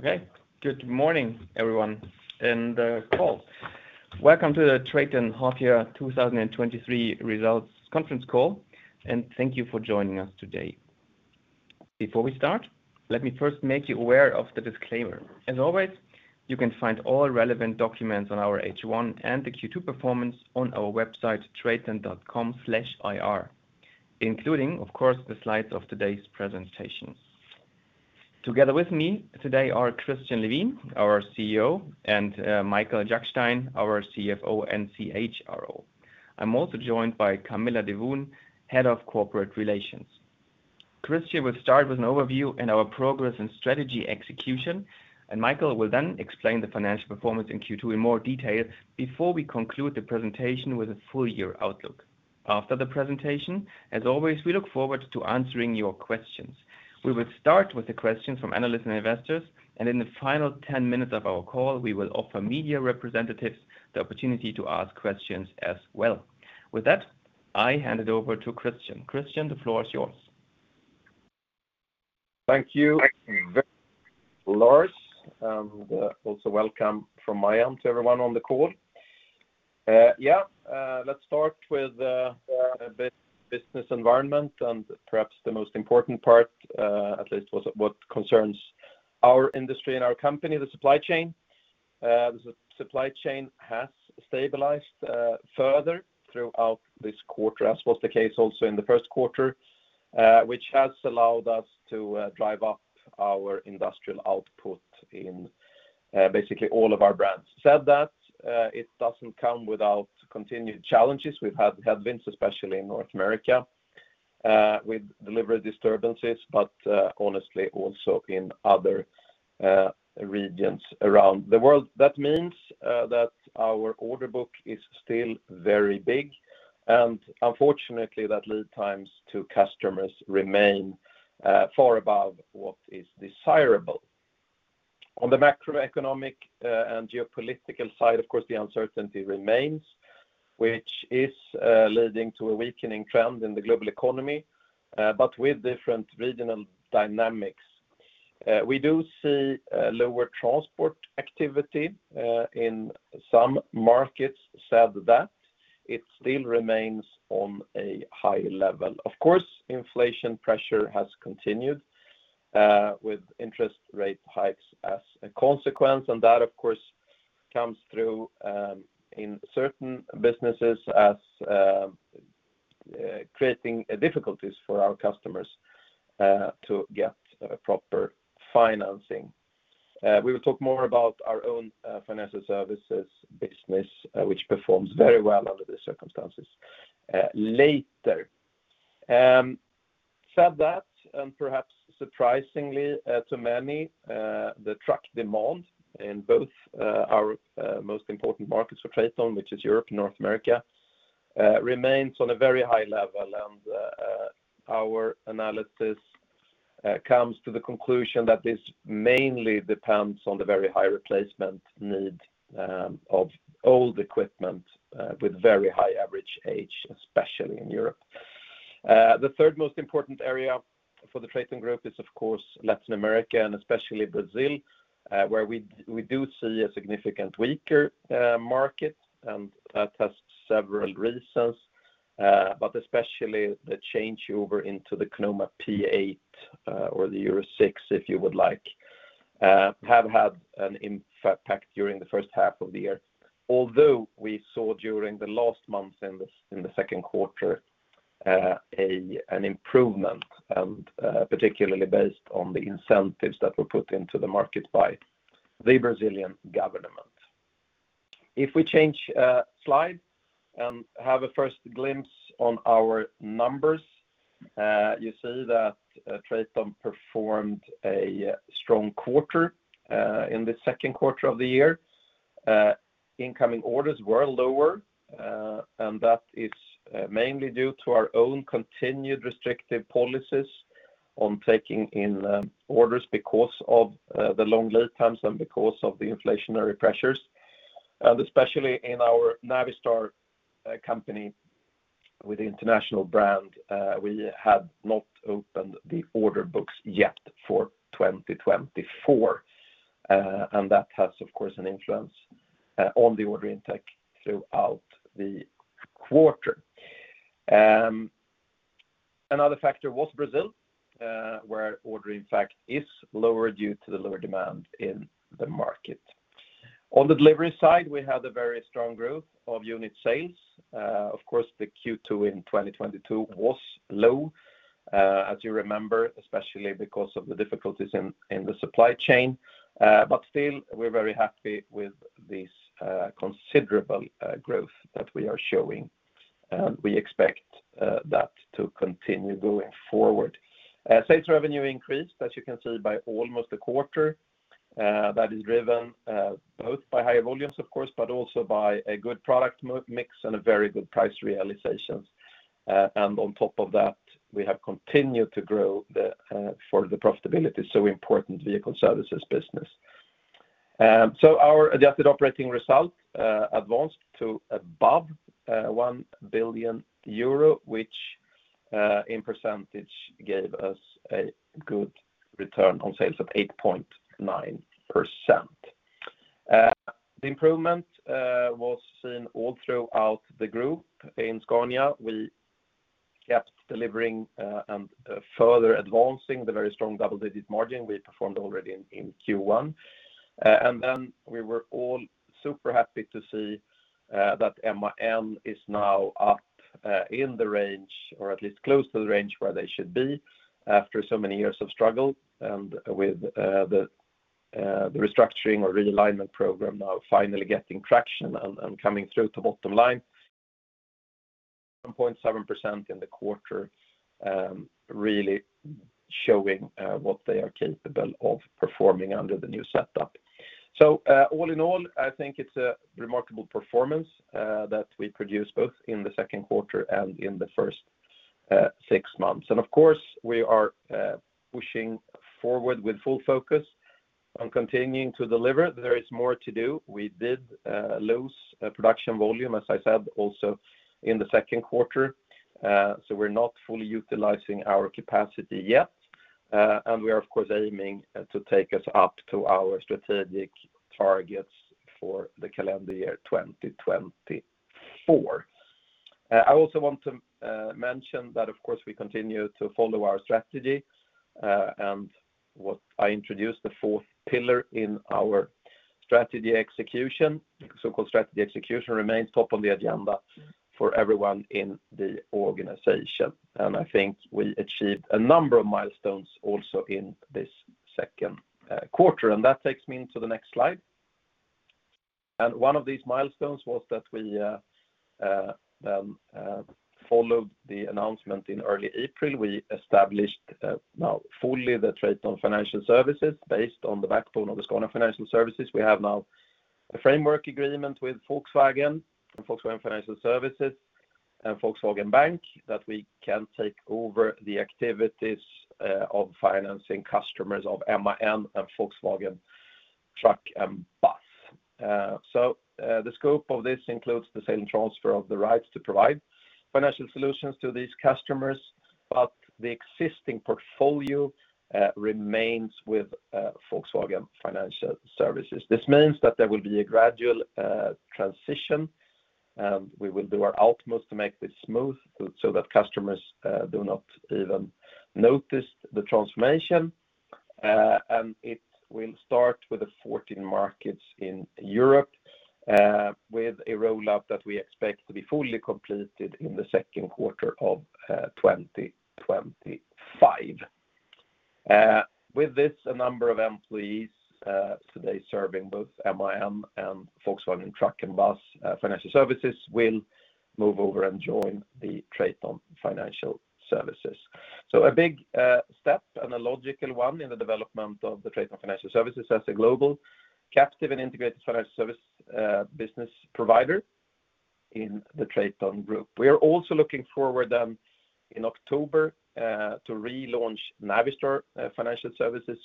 Okay, good morning, everyone, in the call. Welcome to the TRATON Half Year 2023 Results Conference Call, thank you for joining us today. Before we start, let me first make you aware of the disclaimer. As always, you can find all relevant documents on our H1 and the Q2 performance on our website, traton.com/ir, including, of course, the slides of today's presentation. Together with me today are Christian Levin, our CEO, Michael Jackstein, our CFO and CHRO. I'm also joined by Camilla Dewoon, Head of Corporate Relations. Christian will start with an overview in our progress and strategy execution, Michael will then explain the financial performance in Q2 in more detail before we conclude the presentation with a full year outlook. After the presentation, as always, we look forward to answering your questions. We will start with the questions from analysts and investors, and in the final 10 minutes of our call, we will offer media representatives the opportunity to ask questions as well. With that, I hand it over to Christian. Christian, the floor is yours. Thank you, Lars, and also welcome from my end to everyone on the call. Yeah, let's start with the business environment and perhaps the most important part, at least what concerns our industry and our company, the supply chain. The supply chain has stabilized further throughout this quarter, as was the case also in the first quarter, which has allowed us to drive up our industrial output in basically all of our brands. Said that, it doesn't come without continued challenges. We've been, especially in North America, with delivery disturbances, but honestly, also in other regions around the world. That means that our order book is still very big, and unfortunately, that lead times to customers remain far above what is desirable. On the macroeconomic and geopolitical side, of course, the uncertainty remains, which is leading to a weakening trend in the global economy, but with different regional dynamics. We do see lower transport activity in some markets. Said that, it still remains on a high level. Of course, inflation pressure has continued with interest rate hikes as a consequence, and that, of course, comes through in certain businesses as creating difficulties for our customers to get proper financing. We will talk more about our own financial services business, which performs very well under the circumstances later. Said that, and perhaps surprisingly, to many, the truck demand in both our most important markets for TRATON, which is Europe and North America, remains on a very high level. Our analysis comes to the conclusion that this mainly depends on the very high replacement need of old equipment with very high average age, especially in Europe. The third most important area for the TRATON Group is, of course, Latin America, and especially Brazil, where we do see a significant weaker market, and that has several reasons, but especially the change over into the CONAMA P8, or the Euro 6, if you would like, have had an impact during the first half of the year. Although we saw during the last months in the second quarter an improvement, and particularly based on the incentives that were put into the market by the Brazilian government. If we change slide and have a first glimpse on our numbers, you see that TRATON performed a strong quarter in the second quarter of the year. Incoming orders were lower, and that is mainly due to our own continued restrictive policies on taking in orders because of the long lead times and because of the inflationary pressures, and especially in our Navistar company with the International brand, we had not opened the order books yet for 2024, and that has, of course, an influence on the order intake throughout the quarter. Another factor was Brazil, where order, in fact, is lower due to the lower demand in the market. On the delivery side, we had a very strong growth of unit sales. Of course, the Q2 in 2022 was low, as you remember, especially because of the difficulties in the supply chain. But still, we're very happy with this considerable growth that we are showing, and we expect that to continue going forward. Sales revenue increased, as you can see, by almost a quarter. That is driven both by higher volumes, of course, but also by a good product mix and a very good price realizations. And on top of that, we have continued to grow the for the profitability, so important vehicle services business. Our adjusted operating results advanced to above 1 billion euro, which in percentage gave us a good return on sales of 8.9%. The improvement was seen all throughout the group. In Scania, we kept delivering, and further advancing the very strong double-digit margin we performed already in Q1. We were all super happy to see that MAN is now up in the range, or at least close to the range where they should be after so many years of struggle, and with the restructuring or realignment program now finally getting traction and coming through to bottom line. From 0.7% in the quarter, really showing what they are capable of performing under the new setup. All in all, I think it's a remarkable performance that we produced both in the second quarter and in the first six months. Of course, we are pushing forward with full focus on continuing to deliver. There is more to do. We did lose production volume, as I said, also in the second quarter. So we're not fully utilizing our capacity yet, and we are, of course, aiming to take us up to our strategic targets for the calendar year 2024. I also want to mention that, of course, we continue to follow our strategy, and what I introduced, the fourth pillar in our strategy execution. So-called strategy execution remains top on the agenda for everyone in the organization, and I think we achieved a number of milestones also in this second quarter. That takes me into the next slide. One of these milestones was that we followed the announcement in early April. We established now fully the TRATON Financial Services based on the backbone of the Scania Financial Services. We have now a framework agreement with Volkswagen and Volkswagen Financial Services and Volkswagen Bank that we can take over the activities of financing customers of MAN and Volkswagen Truck and Bus. The scope of this includes the sale and transfer of the rights to provide financial solutions to these customers, but the existing portfolio remains with Volkswagen Financial Services. This means that there will be a gradual transition, and we will do our utmost to make this smooth so that customers do not even notice the transformation. It will start with the 14 markets in Europe, with a roll-out that we expect to be fully completed in the second quarter of 2025. With this, a number of employees today serving both MAN and Volkswagen Truck and Bus Financial Services will move over and join the TRATON Financial Services. A big step and a logical one in the development of the TRATON Financial Services as a global captive and integrated financial service business provider in the TRATON GROUP. We are also looking forward in October to relaunch Navistar Financial Services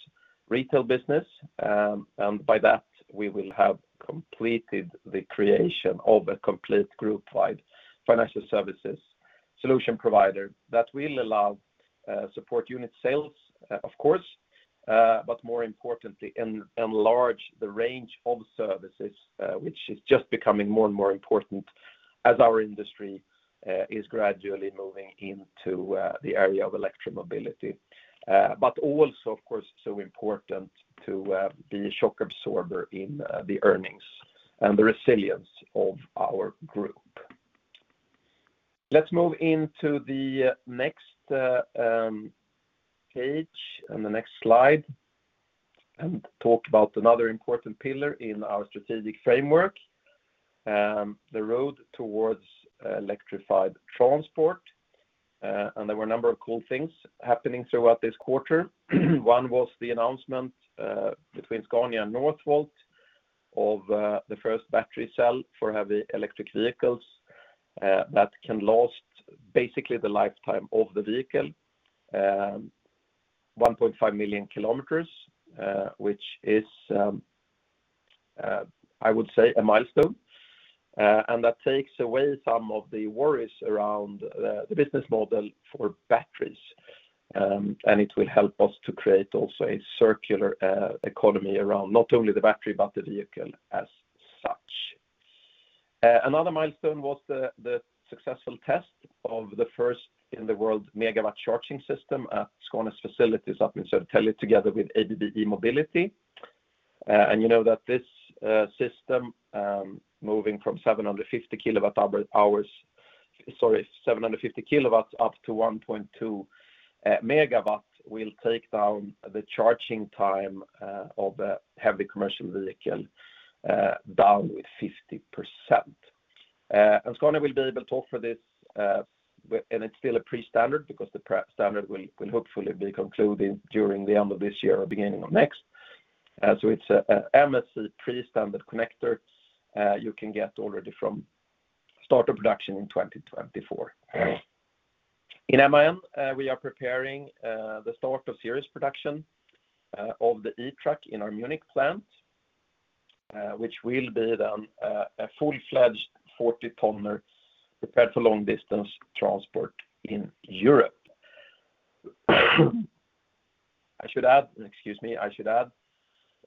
retail business. By that, we will have completed the creation of a complete group-wide financial services solution provider that will allow support unit sales, of course, but more importantly, enlarge the range of services, which is just becoming more and more important as our industry is gradually moving into the area of electric mobility. Also, of course, so important to be a shock absorber in the earnings and the resilience of our group. Let's move into the next page, and the next slide, and talk about another important pillar in our strategic framework, the road towards electrified transport. There were a number of cool things happening throughout this quarter. One was the announcement between Scania and Northvolt of the first battery cell for heavy electric vehicles that can last basically the lifetime of the vehicle. 1.5 million kilometers, which is, I would say, a milestone, that takes away some of the worries around the business model for batteries. It will help us to create also a circular economy around not only the battery, but the vehicle as such. Another milestone was the successful test of the first in the world Megawatt Charging System at Scania's facilities up in Södertälje, together with ABB E-mobility. You know that this system moving from 750 kW up to 1.2 MW, will take down the charging time of a heavy commercial vehicle down 50%. Scania will be able to offer this and it's still a pre-standard, because the standard will hopefully be concluded during the end of this year or beginning of next. It's a MCS pre-standard connector, you can get already from start of production in 2024. In MAN, we are preparing the start of serious production of the eTruck in our Munich plant, which will be a full-fledged 40 tonner prepared for long distance transport in Europe. I should add, excuse me, I should add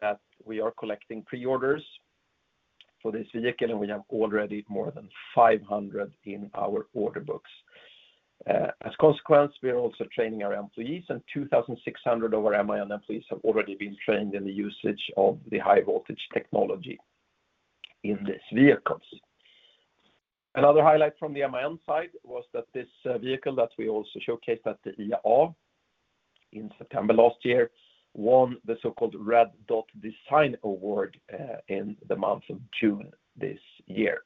that we are collecting pre-orders for this vehicle, and we have already more than 500 in our order books. As a consequence, we are also training our employees, and 2,600 of our MAN employees have already been trained in the usage of the high voltage technology in these vehicles. Another highlight from the MAN side was that this vehicle that we also showcased at the IAA in September 2022, won the so-called Red Dot Design Award in the month of June 2023.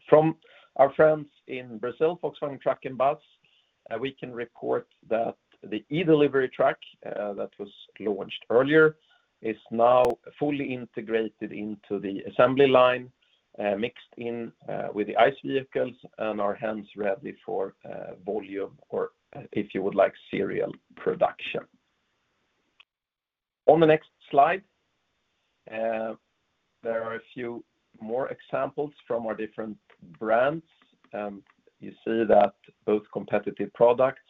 From our friends in Brazil, Volkswagen Truck and Bus, we can report that the e-Delivery truck that was launched earlier, is now fully integrated into the assembly line, mixed in with the ICE vehicles and are hence ready for volume or, if you would like, serial production. On the next slide, there are a few more examples from our different brands, and you see that both competitive products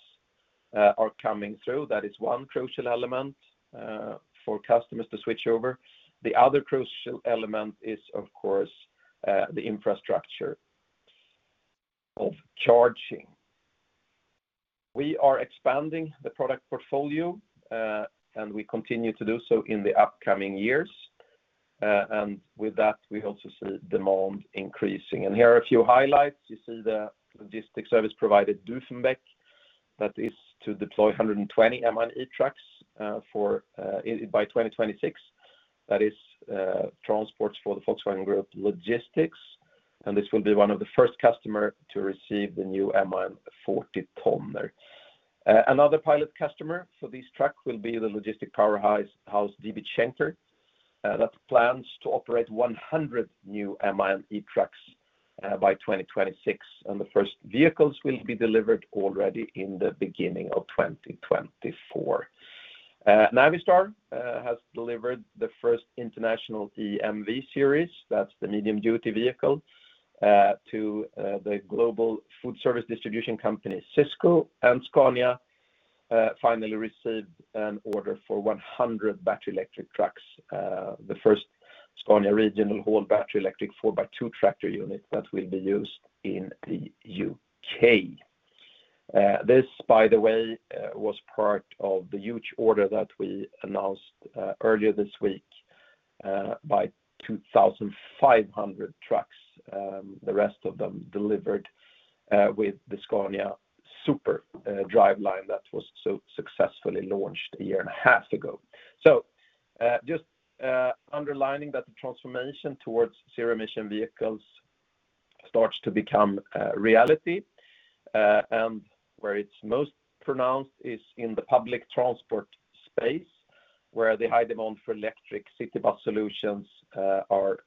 are coming through. That is one crucial element for customers to switch over. The other crucial element is, of course, the infrastructure of charging. We are expanding the product portfolio, and we continue to do so in the upcoming years. Here are a few highlights. You see the logistic service provider, Duvenbeck, that is to deploy 120 MAN eTrucks for by 2026. That is transports for the Volkswagen Group Logistics, and this will be one of the first customer to receive the new MAN 40 tonner. Another pilot customer for this truck will be the logistic power house, DB Schenker, that plans to operate 100 new MAN eTrucks by 2026, and the first vehicles will be delivered already in the beginning of 2024. Navistar has delivered the first International eMV Series, that's the medium-duty vehicle, to the global food service distribution company, Sysco. Scania finally received an order for 100 battery electric trucks, the first Scania regional haul battery electric 4x2 tractor unit that will be used in the U.K. This, by the way, was part of the huge order that we announced earlier this week, by 2,500 trucks, the rest of them delivered with the Scania Super driveline that was so successfully launched a year and a half ago. Just underlining that the transformation towards zero emission vehicles starts to become reality, and where it's most pronounced is in the public transport space, where the high demand for electric city bus solutions are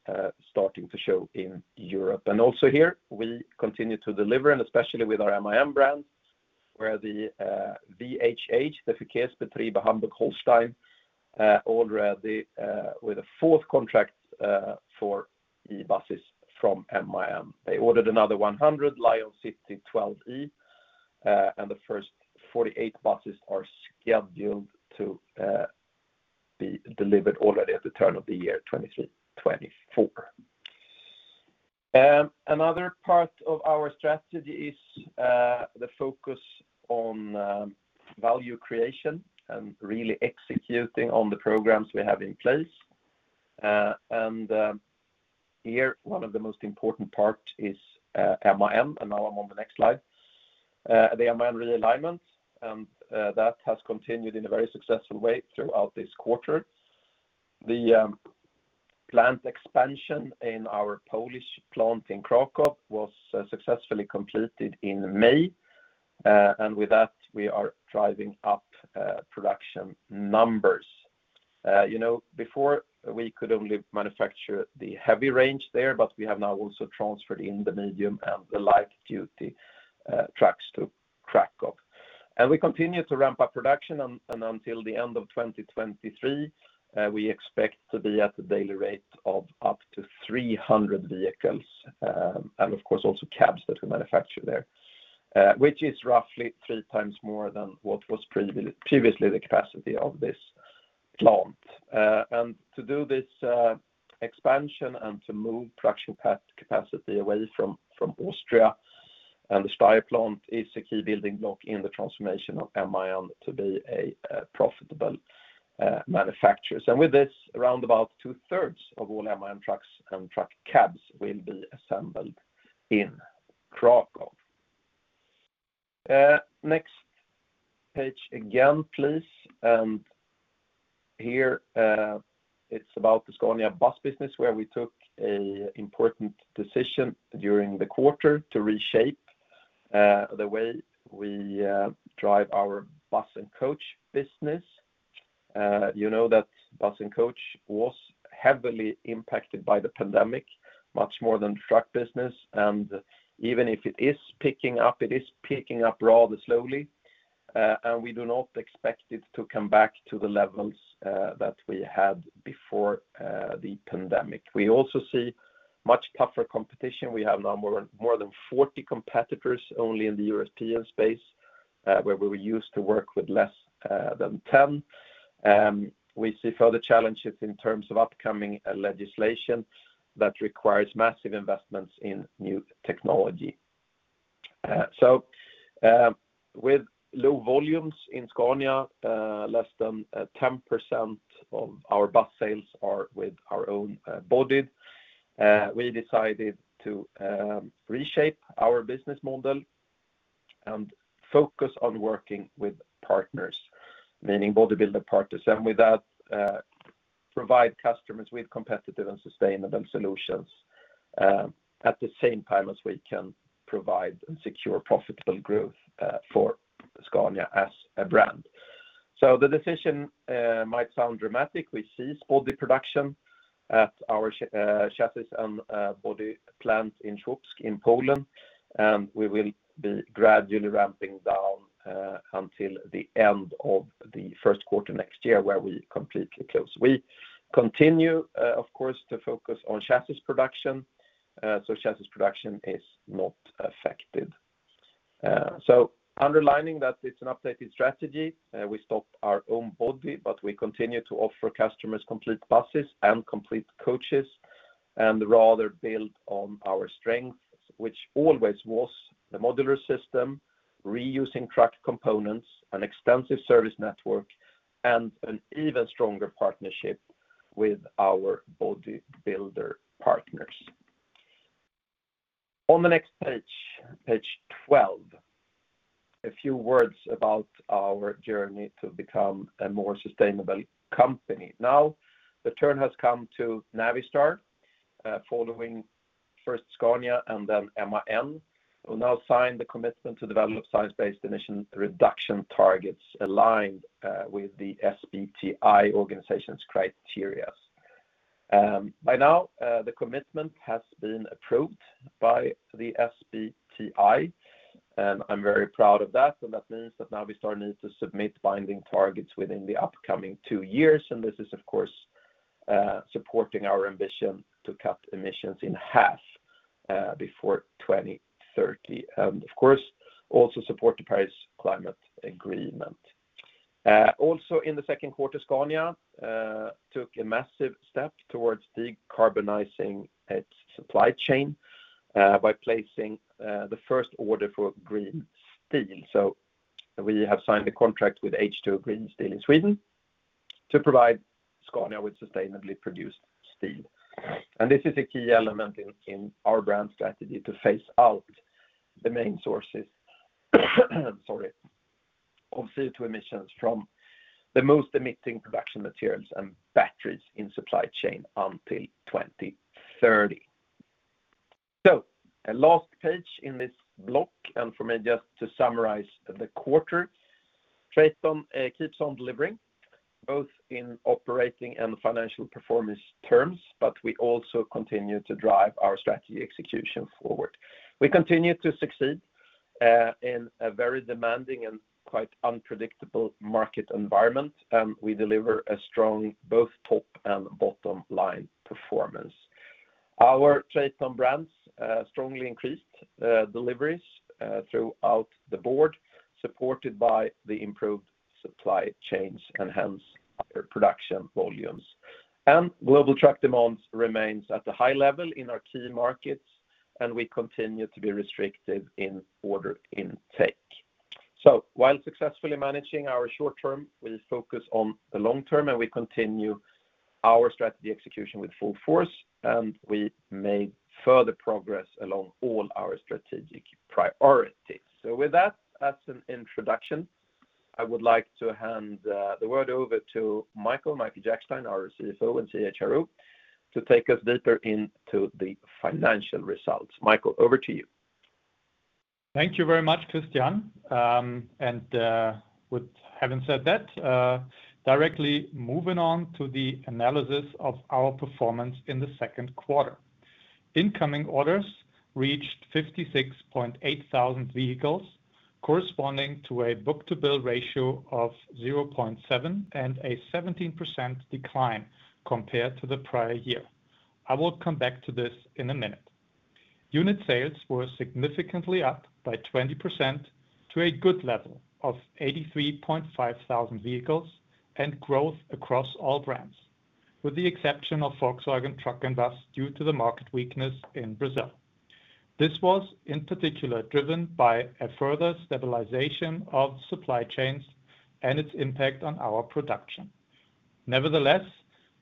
starting to show in Europe. Also here, we continue to deliver, and especially with our MAN brand, where the VHH, the Verkehrsbetriebe Hamburg-Holstein, already with a fourth contract for eBuses from MAN. They ordered another 100 Lion's City 12 E. The first 48 buses are scheduled to be delivered already at the turn of the year 2023, 2024. Another part of our strategy is the focus on value creation and really executing on the programs we have in place. Here, one of the most important part is MAN. Now I'm on the next slide. The MAN realignment, that has continued in a very successful way throughout this quarter. The plant expansion in our Polish plant in Krakow was successfully completed in May, with that, we are driving up production numbers. You know, before we could only manufacture the heavy range there, we have now also transferred in the medium and the light-duty trucks to Krakow. We continue to ramp up production, until the end of 2023, we expect to be at a daily rate of up to 300 vehicles, and of course, also cabs that we manufacture there, which is roughly 3x more than what was previously the capacity of this plant. To do this, expansion and to move production capacity away from Austria and the Steyr plant is a key building block in the transformation of MAN to be a profitable manufacturer. With this, around about two-thirds of all MAN trucks and truck cabs will be assembled in Krakow. Next page again, please. Here, it's about the Scania bus business, where we took an important decision during the quarter to reshape the way we drive our bus and coach business. you know, that bus and coach was heavily impacted by the pandemic, much more than truck business. Even if it is picking up, it is picking up rather slowly, and we do not expect it to come back to the levels that we had before the pandemic. We also see much tougher competition. We have now more than 40 competitors only in the European space, where we were used to work with less than 10. We see further challenges in terms of upcoming legislation that requires massive investments in new technology. With low volumes in Scania, less than 10% of our bus sales are with our own body, we decided to reshape our business model and focus on working with partners, meaning bodybuilder partners, and with that, provide customers with competitive and sustainable solutions, at the same time as we can provide and secure profitable growth for Scania as a brand. The decision might sound dramatic. We cease body production at our chassis and body plant in Starachowice, in Poland, and we will be gradually ramping down until the end of the first quarter next year, where we completely close. We continue, of course, to focus on chassis production, so chassis production is not affected. Underlining that it's an updated strategy, we stopped our own body, but we continue to offer customers complete buses and complete coaches, and rather build on our strengths, which always was the modular system, reusing truck components, an extensive service network, and an even stronger partnership with our bodybuilder partners. On the next page 12, a few words about our journey to become a more sustainable company. The turn has come to Navistar, following first Scania and then MAN, will now sign the commitment to develop science-based emission reduction targets aligned with the SBTi organization's criteria. By now, the commitment has been approved by the SBTi, and I'm very proud of that. That means that now we start needing to submit binding targets within the upcoming two years, this is, of course, supporting our ambition to cut emissions in half before 2030, of course, also support the Paris Climate Agreement. Also in the second quarter, Scania took a massive step towards decarbonizing its supply chain by placing the first order for green steel. We have signed a contract with H2 Green Steel in Sweden to provide Scania with sustainably produced steel. This is a key element in our brand strategy to phase out the main sources, sorry, of CO2 emissions from the most emitting production materials and batteries in supply chain until 2030. A last page in this block, for me just to summarize the quarter. TRATON keeps on delivering, both in operating and financial performance terms, but we also continue to drive our strategy execution forward. We continue to succeed in a very demanding and quite unpredictable market environment, and we deliver a strong, both top and bottom line performance. Our TRATON brands strongly increased deliveries throughout the board, supported by the improved supply chains and hence, higher production volumes. Global truck demands remains at a high level in our key markets, and we continue to be restricted in order intake. While successfully managing our short term, we focus on the long term, and we continue our strategy execution with full force, and we made further progress along all our strategic priorities. With that, as an introduction, I would like to hand the word over to Michael, Michael Jackstein, our CFO and CHRO, to take us deeper into the financial results. Michael, over to you. Thank you very much, Christian. With having said that, directly moving on to the analysis of our performance in the second quarter. Incoming orders reached 56,800 vehicles, corresponding to a book-to-bill ratio of 0.7 and a 17% decline compared to the prior year. I will come back to this in a minute. Unit sales were significantly up by 20% to a good level of 83,500 vehicles and growth across all brands, with the exception of Volkswagen Truck and Bus, due to the market weakness in Brazil. This was, in particular, driven by a further stabilization of supply chains and its impact on our production. Nevertheless,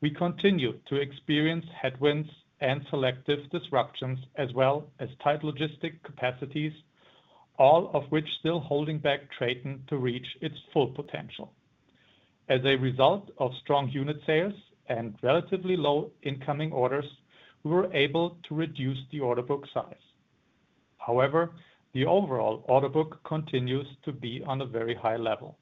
we continue to experience headwinds and selective disruptions, as well as tight logistic capacities, all of which still holding back TRATON to reach its full potential. As a result of strong unit sales and relatively low incoming orders, we were able to reduce the order book size. However, the overall order book continues to be on a very high level.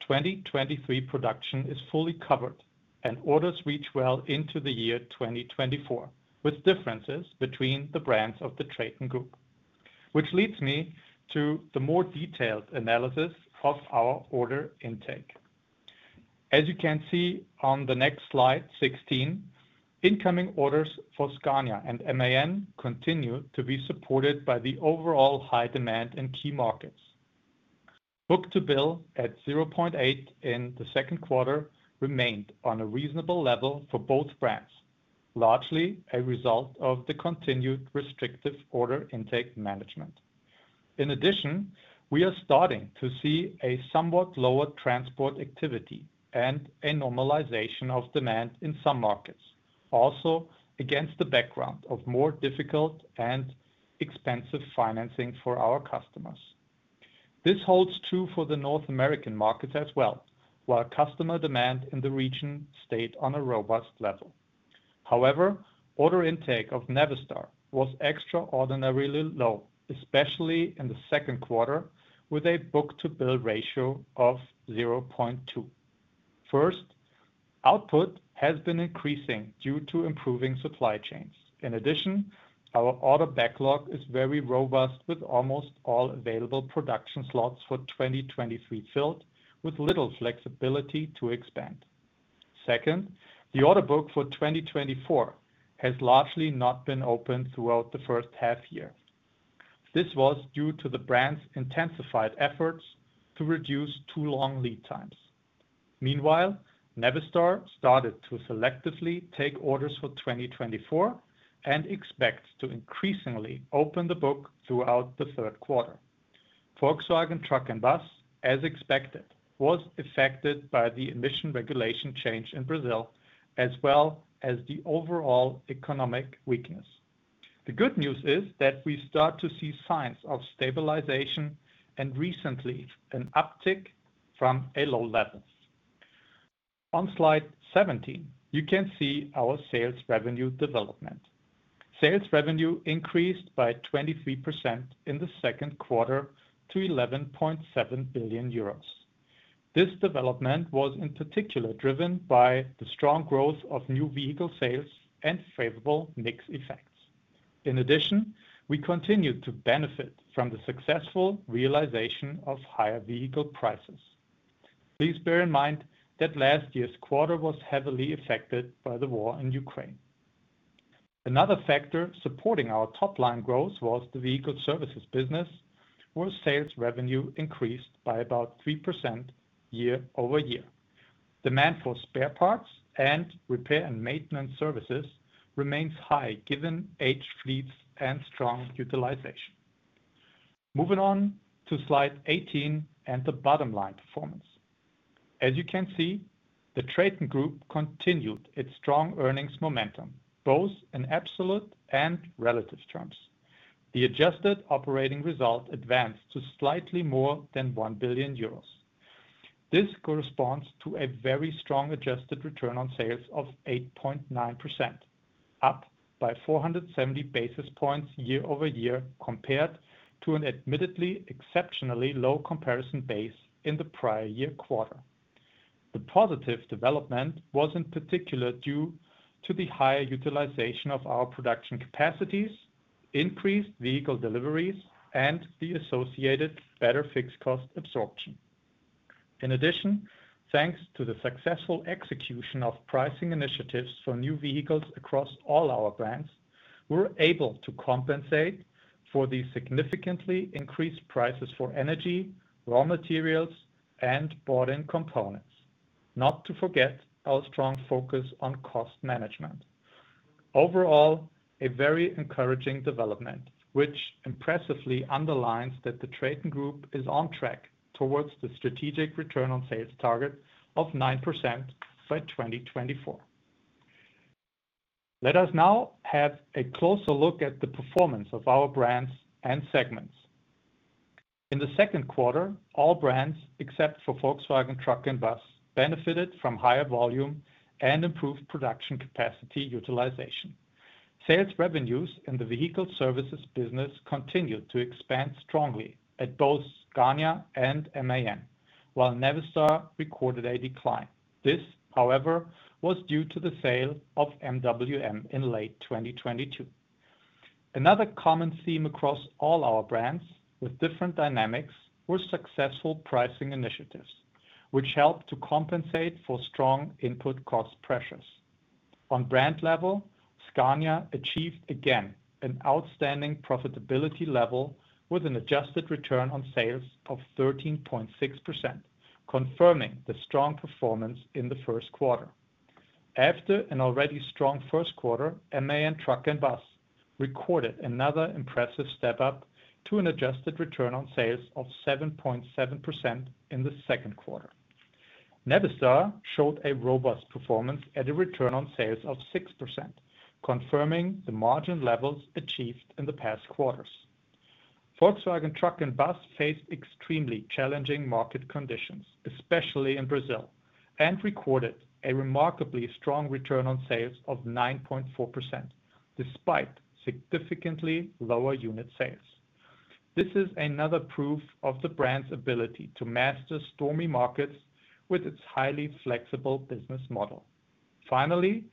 2023 production is fully covered, and orders reach well into the year 2024, with differences between the brands of the TRATON GROUP. leads me to the more detailed analysis of our order intake. As you can see on the next slide, 16, incoming orders for Scania and MAN continue to be supported by the overall high demand in key markets. book-to-bill at 0.8 in the second quarter remained on a reasonable level for both brands, largely a result of the continued restrictive order intake management. We are starting to see a somewhat lower transport activity and a normalization of demand in some markets, also against the background of more difficult and expensive financing for our customers. This holds true for the North American market as well, while customer demand in the region stayed on a robust level. Order intake of Navistar was extraordinarily low, especially in the second quarter, with a book-to-bill ratio of 0.2. First, output has been increasing due to improving supply chains. Our order backlog is very robust, with almost all available production slots for 2023 filled, with little flexibility to expand. Second, the order book for 2024 has largely not been open throughout the first half year. This was due to the brand's intensified efforts to reduce two long lead times. Navistar started to selectively take orders for 2024 and expects to increasingly open the book throughout the third quarter. Volkswagen Truck and Bus, as expected, was affected by the emission regulation change in Brazil, as well as the overall economic weakness. The good news is that we start to see signs of stabilization and recently an uptick from a low level. On slide 17, you can see our sales revenue development. Sales revenue increased by 23% in the second quarter to 11.7 billion euros. This development was in particular driven by the strong growth of new vehicle sales and favorable mix effects. We continued to benefit from the successful realization of higher vehicle prices. Please bear in mind that last year's quarter was heavily affected by the war in Ukraine. Another factor supporting our top-line growth was the vehicle services business, where sales revenue increased by about 3% year-over-year. Demand for spare parts and repair and maintenance services remains high, given aged fleets and strong utilization. Moving on to slide 18 and the bottom line performance. As you can see, the TRATON GROUP continued its strong earnings momentum, both in absolute and relative terms. The adjusted operating result advanced to slightly more than 1 billion euros. This corresponds to a very strong adjusted return on sales of 8.9%, up by 470 basis points year-over-year, compared to an admittedly exceptionally low comparison base in the prior year quarter. The positive development was in particular due to the higher utilization of our production capacities, increased vehicle deliveries, and the associated better fixed cost absorption. Thanks to the successful execution of pricing initiatives for new vehicles across all our brands, we're able to compensate for the significantly increased prices for energy, raw materials, and bought-in components. Not to forget our strong focus on cost management. Overall, a very encouraging development, which impressively underlines that the TRATON GROUP is on track towards the strategic return on sales target of 9% by 2024. Let us now have a closer look at the performance of our brands and segments. In the second quarter, all brands, except for Volkswagen Truck and Bus, benefited from higher volume and improved production capacity utilization. Sales revenues in the vehicle services business continued to expand strongly at both Scania and MAN, while Navistar recorded a decline. This, however, was due to the sale of MWM in late 2022. Another common theme across all our brands, with different dynamics, were successful pricing initiatives, which helped to compensate for strong input cost pressures. On brand level, Scania achieved again, an outstanding profitability level with an adjusted return on sales of 13.6%, confirming the strong performance in the first quarter. After an already strong first quarter, MAN Truck & Bus recorded another impressive step up to an adjusted return on sales of 7.7% in the second quarter. Navistar showed a robust performance at a return on sales of 6%, confirming the margin levels achieved in the past quarters. Volkswagen Truck and Bus faced extremely challenging market conditions, especially in Brazil. Recorded a remarkably strong return on sales of 9.4%, despite significantly lower unit sales. This is another proof of the brand's ability to master stormy markets with its highly flexible business model. Trade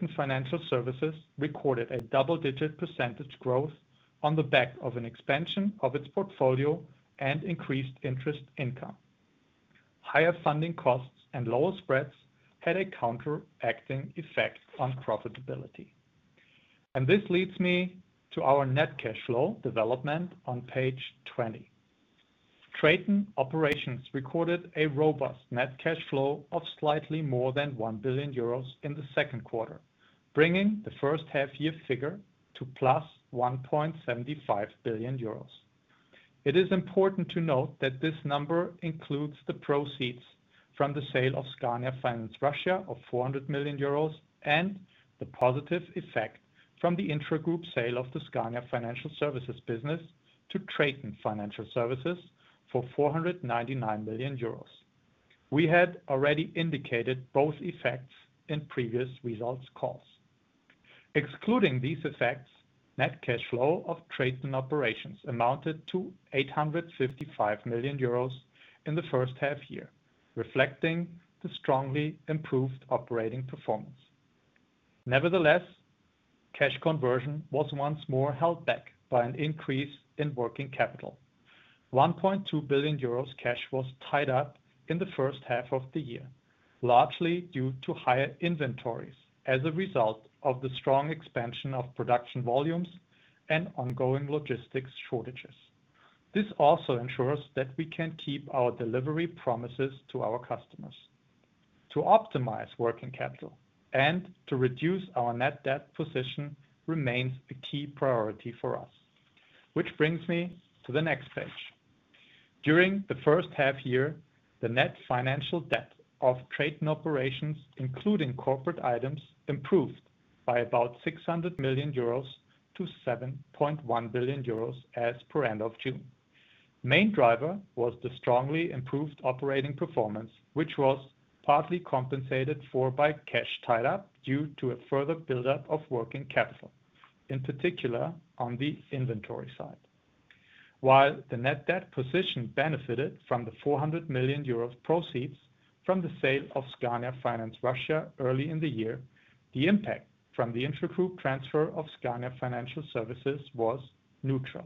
and Financial Services recorded a double-digit percentage growth on the back of an expansion of its portfolio and increased interest income. Higher funding costs and lower spreads had a counteracting effect on profitability. This leads me to our net cash flow development on page 20. TRATON Operations recorded a robust net cash flow of slightly more than 1 billion euros in the second quarter, bringing the first half-year figure to + 1.75 billion euros. It is important to note that this number includes the proceeds from the sale of Scania Finance Russia of 400 million euros, and the positive effect from the intragroup sale of the Scania Financial Services business to TRATON Financial Services for 499 million euros. We had already indicated both effects in previous results calls. Excluding these effects, net cash flow of TRATON Operations amounted to 855 million euros in the first half-year, reflecting the strongly improved operating performance. Cash conversion was once more held back by an increase in working capital. 1.2 billion euros cash was tied up in the first half-year, largely due to higher inventories as a result of the strong expansion of production volumes and ongoing logistics shortages. This also ensures that we can keep our delivery promises to our customers. To optimize working capital and to reduce our net debt position remains a key priority for us, which brings me to the next page. During the first half year, the net financial debt of TRATON Operations, including corporate items, improved by about 600 million euros to 7.1 billion euros as per end of June. Main driver was the strongly improved operating performance, which was partly compensated for by cash tied up due to a further buildup of working capital, in particular on the inventory side. While the net debt position benefited from the 400 million euros proceeds from the sale of Scania Finance Russia early in the year, the impact from the intragroup transfer of Scania Financial Services was neutral.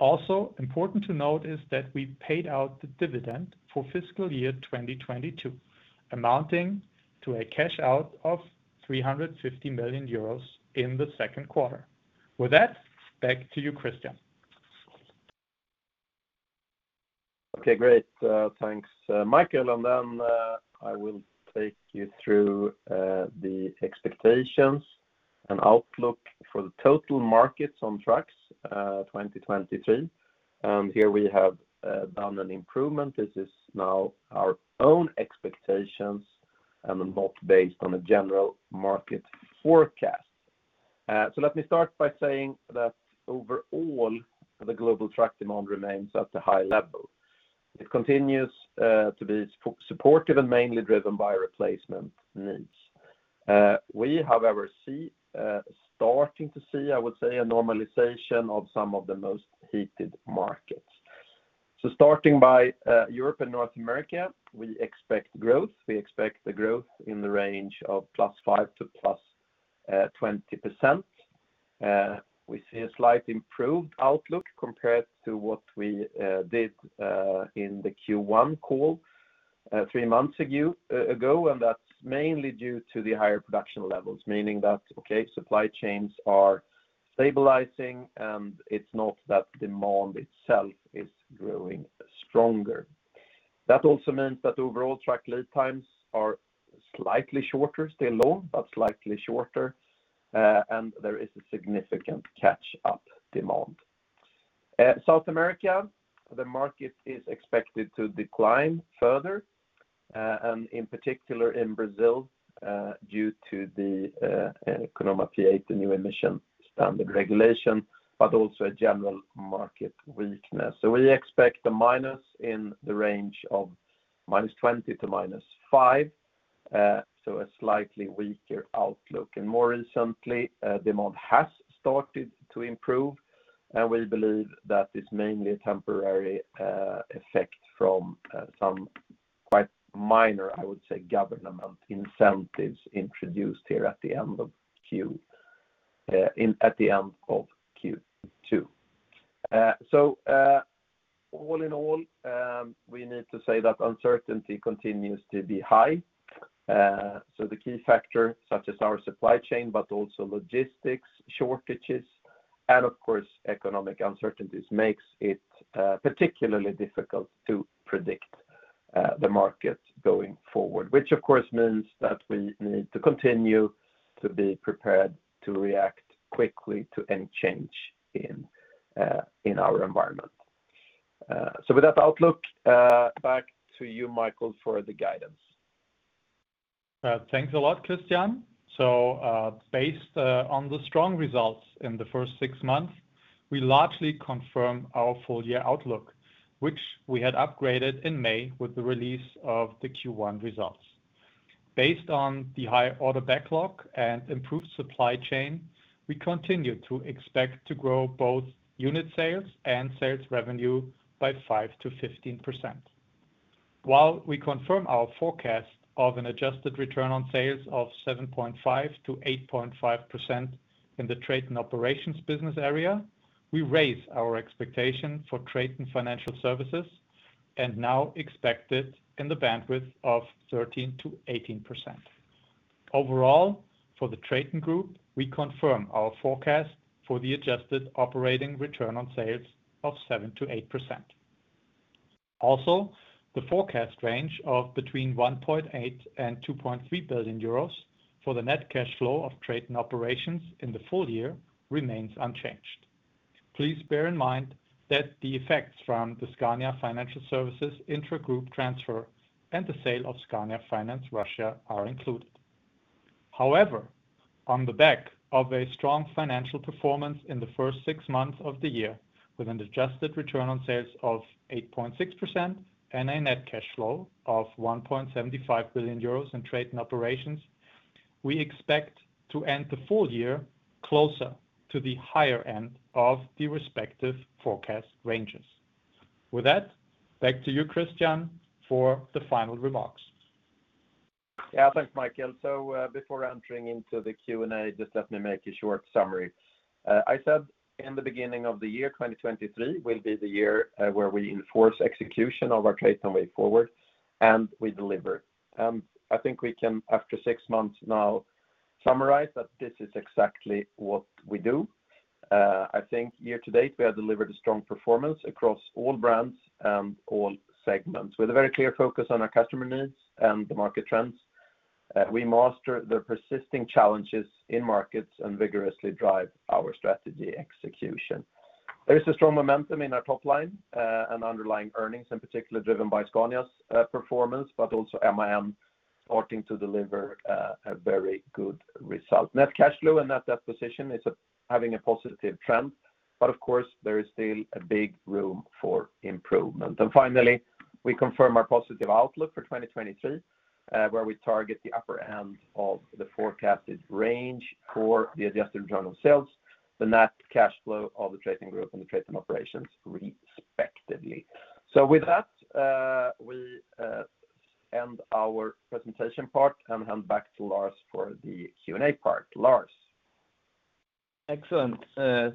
Also, important to note is that we paid out the dividend for fiscal year 2022, amounting to a cash out of 350 million euros in the second quarter. With that, back to you, Christian. Okay, great. Thanks, Michael. I will take you through the expectations and outlook for the total markets on trucks, 2023. Here we have done an improvement. This is now our own expectations and not based on a general market forecast. Let me start by saying that overall, the global truck demand remains at a high level. It continues to be supportive and mainly driven by replacement needs. We, however, see starting to see, I would say, a normalization of some of the most heated markets. Starting by Europe and North America, we expect growth. We expect the growth in the range of +5% to +20%. We see a slight improved outlook compared to what we did in the Q1 call three months ago, and that's mainly due to the higher production levels, meaning that, okay, supply chains are stabilizing, and it's not that demand itself is growing stronger. That also means that overall truck lead times are slightly shorter, still low, but slightly shorter, and there is a significant catch-up demand. South America, the market is expected to decline further, and in particular in Brazil, due to the CONAMA P8, the new emission standard regulation, but also a general market weakness. We expect a minus in the range of -20 to -5, so a slightly weaker outlook. More recently, demand has started to improve, and we believe that it's mainly a temporary effect from some quite minor, I would say, government incentives introduced here at the end of Q2. All in all, we need to say that uncertainty continues to be high. The key factor, such as our supply chain, but also logistics, shortages, and of course, economic uncertainties, makes it particularly difficult to predict the market going forward, which, of course, means that we need to continue to be prepared to react quickly to any change in our environment. With that outlook, back to you, Michael, for the guidance. Thanks a lot, Christian. Based on the strong results in the first 6 months, we largely confirm our full year outlook, which we had upgraded in May with the release of the Q1 results. Based on the high order backlog and improved supply chain, we continue to expect to grow both unit sales and sales revenue by 5%-15%. While we confirm our forecast of an adjusted return on sales of 7.5%-8.5% in the TRATON Operations business area, we raise our expectation for TRATON Financial Services, and now expect it in the bandwidth of 13%-18%. Overall, for the TRATON Group, we confirm our forecast for the adjusted operating return on sales of 7%-8%. The forecast range of between 1.8 billion and 2.3 billion euros for the net cash flow of TRATON Operations in the full year remains unchanged. Please bear in mind that the effects from the Scania Financial Services intra-group transfer and the sale of Scania Finance Russia are included. On the back of a strong financial performance in the first six months of the year, with an adjusted return on sales of 8.6% and a net cash flow of 1.75 billion euros in TRATON Operations, we expect to end the full year closer to the higher end of the respective forecast ranges. Back to you, Christian, for the final remarks. Yeah, thanks, Michael. Before entering into the Q&A, just let me make a short summary. I said in the beginning of the year, 2023 will be the year, where we enforce execution of our TRATON Way Forward, and we deliver. I think we can, after six months now, summarize that this is exactly what we do. I think year to date, we have delivered a strong performance across all brands and all segments, with a very clear focus on our customer needs and the market trends. We master the persisting challenges in markets and vigorously drive our strategy execution. There is a strong momentum in our top line, and underlying earnings, in particular, driven by Scania's performance, but also MAN starting to deliver a very good result. Net cash flow and net debt position is having a positive trend, but of course, there is still a big room for improvement. Finally, we confirm our positive outlook for 2023, where we target the upper end of the forecasted range for the adjusted return on sales, the net cash flow of the TRATON GROUP and the TRATON Operations respectively. With that, we end our presentation part and hand back to Lars for the Q&A part. Lars? Excellent.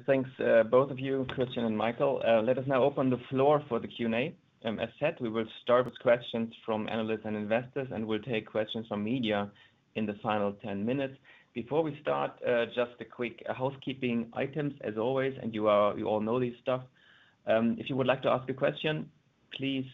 Thanks, both of you, Christian and Michael. Let us now open the floor for the Q&A. As said, we will start with questions from analysts and investors, and we will take questions from media in the final 10 minutes. Before we start, just a quick housekeeping items, as always, and you all know this stuff. If you would like to ask a question, please,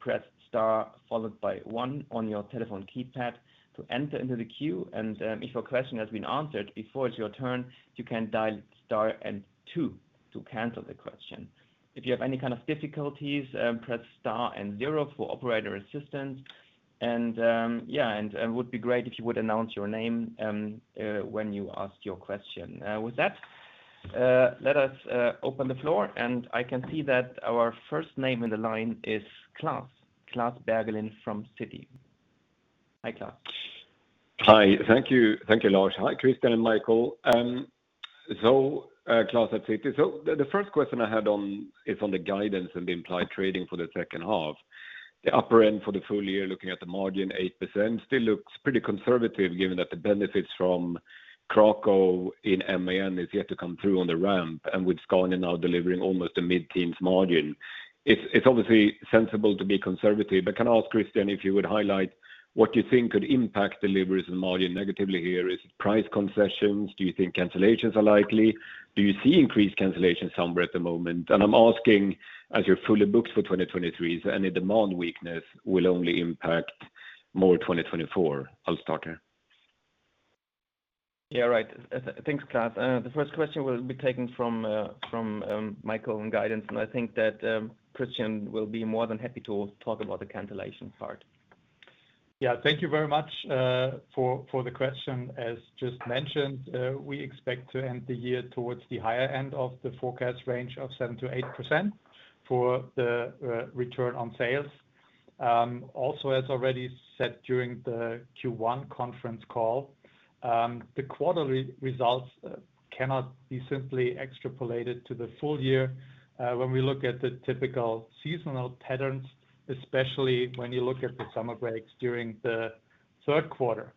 press star followed by one on your telephone keypad to enter into the queue, and, if your question has been answered before it is your turn, you can dial star and two to cancel the question. If you have any kind of difficulties, press star and zero for operator assistance. Would be great if you would announce your name when you ask your question. With that, let us open the floor. I can see that our first name in the line is Klas, Klas Bergelind from Citi. Hi, Klas. Hi. Thank you. Thank you, Lars. Hi, Christian and Michael. Klas at Citi. The first question I had is on the guidance and the implied trading for the second half. The upper end for the full year, looking at the margin, 8%, still looks pretty conservative, given that the benefits from Krakow in MAN is yet to come through on the ramp, and with Scania now delivering almost a mid-teens margin. It's obviously sensible to be conservative, but can I ask, Christian, if you would highlight what you think could impact deliveries and margin negatively here? Is it price concessions? Do you think cancellations are likely? Do you see increased cancellations somewhere at the moment? I'm asking, as you're fully booked for 2023, so any demand weakness will only impact more 2024. I'll start here. Yeah, right. Thanks, Klas. The first question will be taken from Michael on guidance. I think that Christian will be more than happy to talk about the cancellation part. Thank you very much for the question. As just mentioned, we expect to end the year towards the higher end of the forecast range of 7%-8% for the return on sales. Also, as already said during the Q1 conference call, the quarterly results cannot be simply extrapolated to the full year when we look at the typical seasonal patterns, especially when you look at the summer breaks during the third quarter.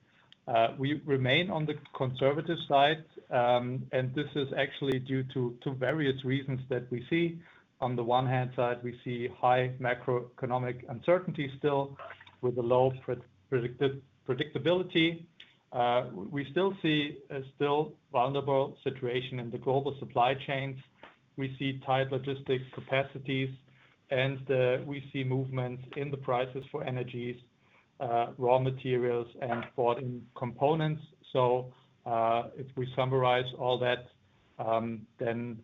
We remain on the conservative side, and this is actually due to various reasons that we see. On the one-hand side, we see high macroeconomic uncertainty still, with a low predictability. We still see a still vulnerable situation in the global supply chains. We see tight logistics capacities, and we see movements in the prices for energies, raw materials, and foreign components. If we summarize all that,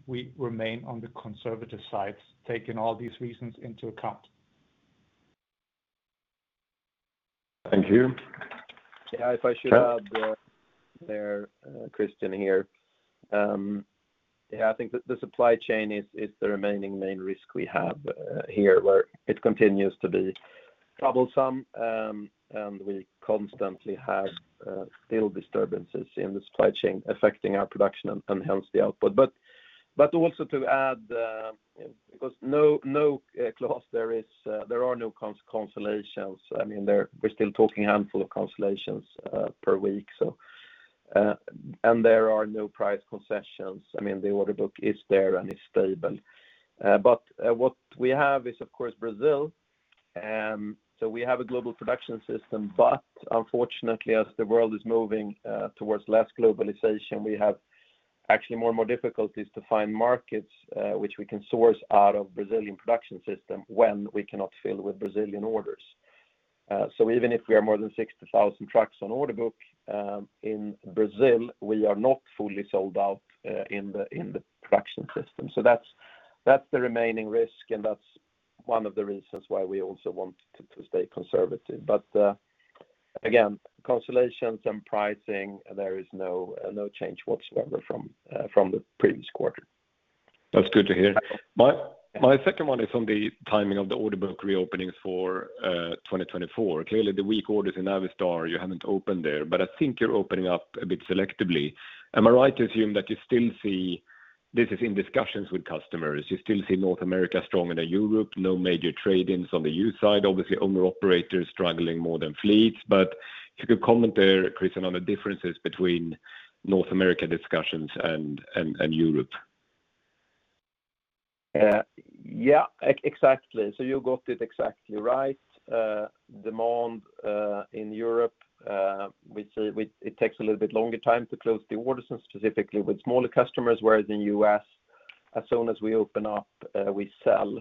we remain on the conservative side, taking all these reasons into account. Thank you. If I should add there, Christian here. I think the supply chain is the remaining main risk we have here, where it continues to be troublesome, and we constantly have still disturbances in the supply chain affecting our production and hence the output. Also to add, because no Klas there is, there are no cancellations. I mean, we're still talking a handful of cancellations per week, so and there are no price concessions. I mean, the order book is there and is stable. What we have is, of course, Brazil. We have a global production system, but unfortunately, as the world is moving towards less globalization, we have actually more and more difficulties to find markets which we can source out of Brazilian production system when we cannot fill with Brazilian orders. Even if we are more than 60,000 trucks on order book in Brazil, we are not fully sold out in the production system. That's the remaining risk, and that's one of the reasons why we also want to stay conservative. Again, cancellations and pricing, there is no change whatsoever from the previous quarter. That's good to hear. My second one is on the timing of the order book reopenings for 2024. Clearly, the weak orders in Navistar, you haven't opened there, but I think you're opening up a bit selectively. Am I right to assume that you still see this is in discussions with customers? You still see North America stronger than Europe, no major trade-ins on the U side. Obviously, owner-operators struggling more than fleets. If you could comment there, Christian, on the differences between North America discussions and Europe. Yeah, exactly. You got it exactly right. Demand in Europe, we see it takes a little bit longer time to close the orders and specifically with smaller customers, whereas in U.S., as soon as we open up, we sell.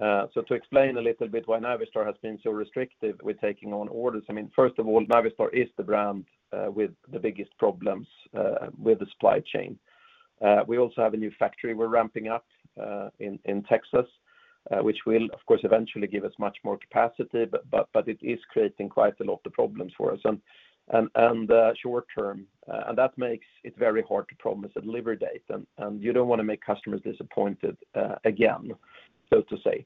To explain a little bit why Navistar has been so restrictive with taking on orders, I mean, first of all, Navistar is the brand with the biggest problems with the supply chain. We also have a new factory we're ramping up in Texas, which will, of course, eventually give us much more capacity, but it is creating quite a lot of problems for us. Short-term, that makes it very hard to promise a delivery date, and you don't want to make customers disappointed again, so to say.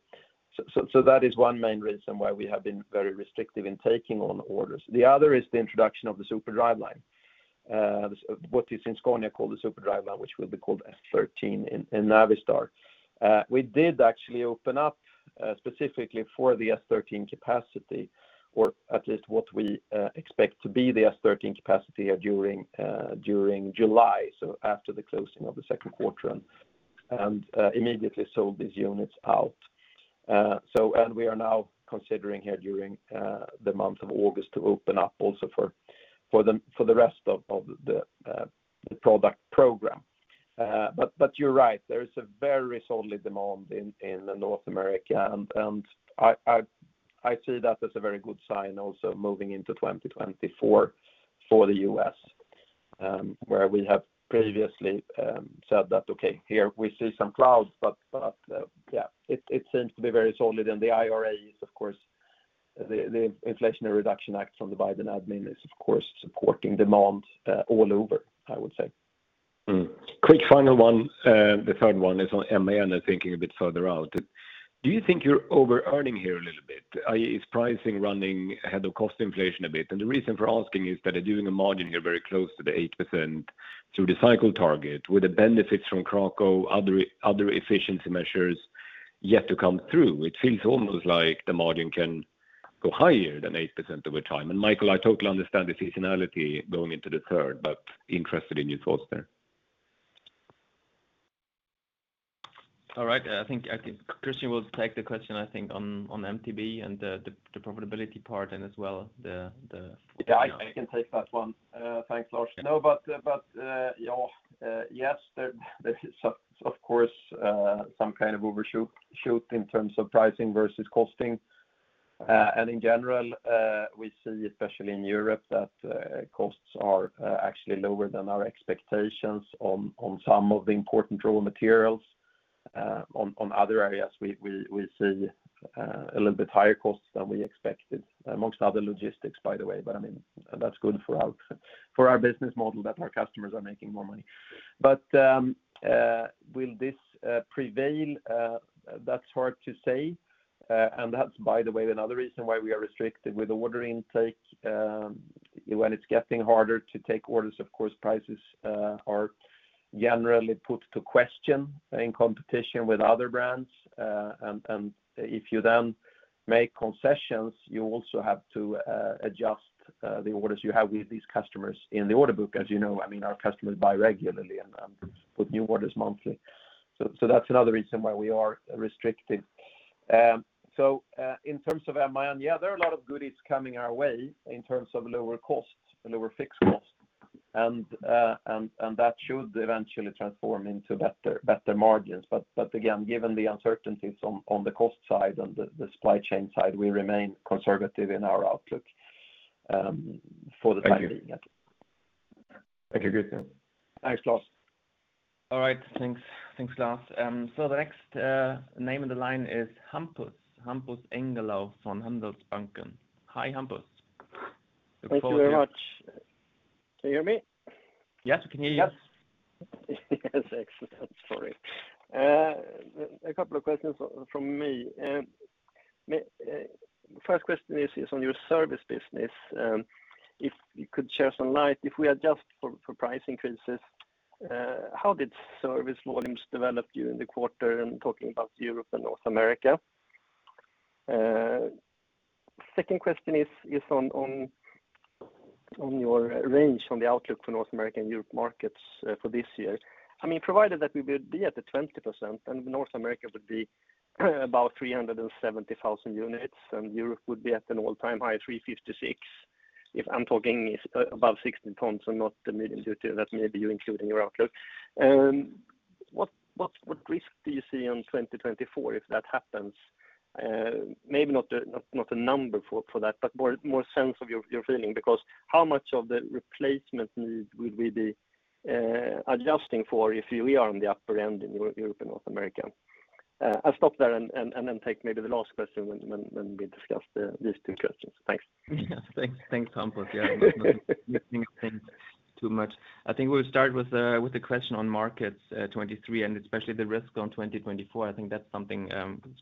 That is one main reason why we have been very restrictive in taking on orders. The other is the introduction of the Super Driveline. What is in Scania called the Super Driveline, which will be called S13 in Navistar. We did actually open up specifically for the S13 capacity, or at least what we expect to be the S13 capacity, during July, so after the closing of the second quarter, and immediately sold these units out. We are now considering here during the month of August to open up also for the rest of the product program. You're right, there is a very solidly demand in North America, and I see that as a very good sign also moving into 2024 for the U.S., where we have previously said that, okay, here we see some clouds, but it seems to be very solidly. The IRA is, of course, the Inflation Reduction Act from the Biden admin is, of course, supporting demand all over, I would say. Quick final one, the third one is on MAN, and thinking a bit further out. Do you think you're over-earning here a little bit? Is pricing running ahead of cost inflation a bit? The reason for asking is that you're doing a margin here very close to the 8% through the cycle target, with the benefits from Krakow, other efficiency measures yet to come through. It seems almost like the margin can go higher than 8% over time. Michael, I totally understand the seasonality going into the 1/3, but interested in your thoughts there. All right. I think Christian will take the question, I think on MTB and the profitability part. Yeah, I can take that one. Thanks, Lars. No, but yes, there is of course some kind of overshoot in terms of pricing versus costing. In general, we see, especially in Europe, that costs are actually lower than our expectations on some of the important raw materials. On other areas, we see a little bit higher costs than we expected, amongst other logistics, by the way. I mean, that's good for our business model, that our customers are making more money. Will this prevail? That's hard to say. That's, by the way, another reason why we are restricted with order intake. When it's getting harder to take orders, of course, prices are generally put to question in competition with other brands. If you then make concessions, you also have to adjust the orders you have with these customers in the order book. As you know, I mean, our customers buy regularly and put new orders monthly. That's another reason why we are restricted. In terms of MAN, yeah, there are a lot of goodies coming our way in terms of lower costs and lower fixed costs, and that should eventually transform into better margins. Again, given the uncertainties on the cost side and the supply chain side, we remain conservative in our outlook, for the time being. Thank you. Thank you, good then. Thanks, Klas. All right, thanks. Thanks, Claus. The next name on the line is Hampus Engellau from Handelsbanken. Hi, Hampus. Look forward to you. Thank you very much. Can you hear me? Yes, we can hear you. Yes. Yes, excellent. Sorry. A couple of questions from me. First question is on your service business, if you could share some light, if we adjust for price increases, how did service volumes develop during the quarter? I'm talking about Europe and North America. Second question is on your range, on the outlook for North American and Europe markets for this year. I mean, provided that we would be at the 20%, and North America would be about 370,000 units, and Europe would be at an all-time high, 356. If I'm talking above 16 tons and not the million duty, that may be you include in your outlook. What risk do you see on 2024, if that happens? Maybe not a number for that, but more sense of your feeling, because how much of the replacement need would we be adjusting for if we are on the upper end in Europe and North America? I'll stop there and then take maybe the last question when we discuss these two questions. Thanks. Yeah. Thanks. Thanks, Hampus. Yeah, thanks too much. I think we'll start with the, with the question on markets, 2023, and especially the risk on 2024. I think that's something,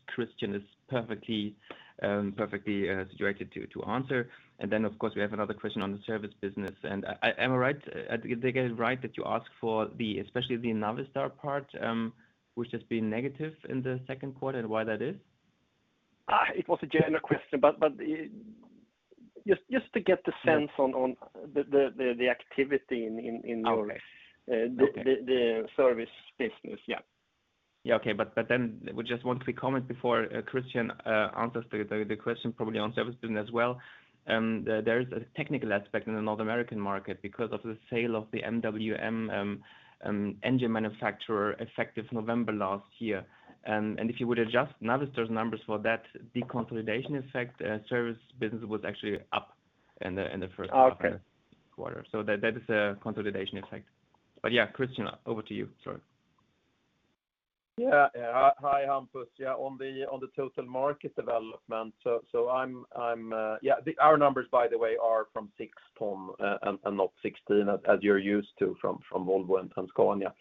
Christian is perfectly, situated to answer. Of course, we have another question on the service business. Am I right? I think I get it right, that you ask for the especially the Navistar part, which has been negative in the second quarter, and why that is? it was a general question, but Just to get the sense. Yeah On the activity in Okay. The service business. Yeah. Just one quick comment before Christian answers the question, probably on service as well. There is a technical aspect in the North American market because of the sale of the MWM engine manufacturer, effective November last year. If you would adjust Navistar numbers for that, the consolidation effect, service business was actually up in the first- Okay quarter. That is a consolidation effect. Yeah, Christian, over to you. Sorry. Yeah. Hi, Hampus. On the total market development, the our numbers, by the way, are from six tons, and not 16, as you're used to from Volvo and Scania.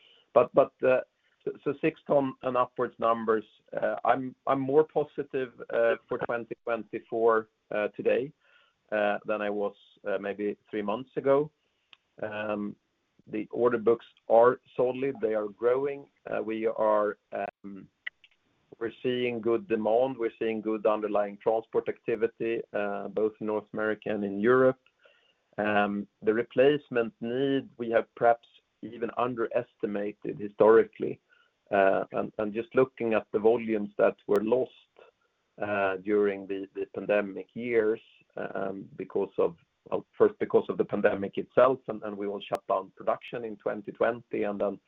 So six tons and upwards numbers, I'm more positive for 2024 today than I was maybe three months ago. The order books are solely they are growing. We're seeing good demand, we're seeing good underlying transport activity, both in North America and in Europe. The replacement need, we have perhaps even underestimated historically, and just looking at the volumes that were lost during the pandemic years, because of, well, first because of the pandemic itself, and we all shut down production in 2020, and then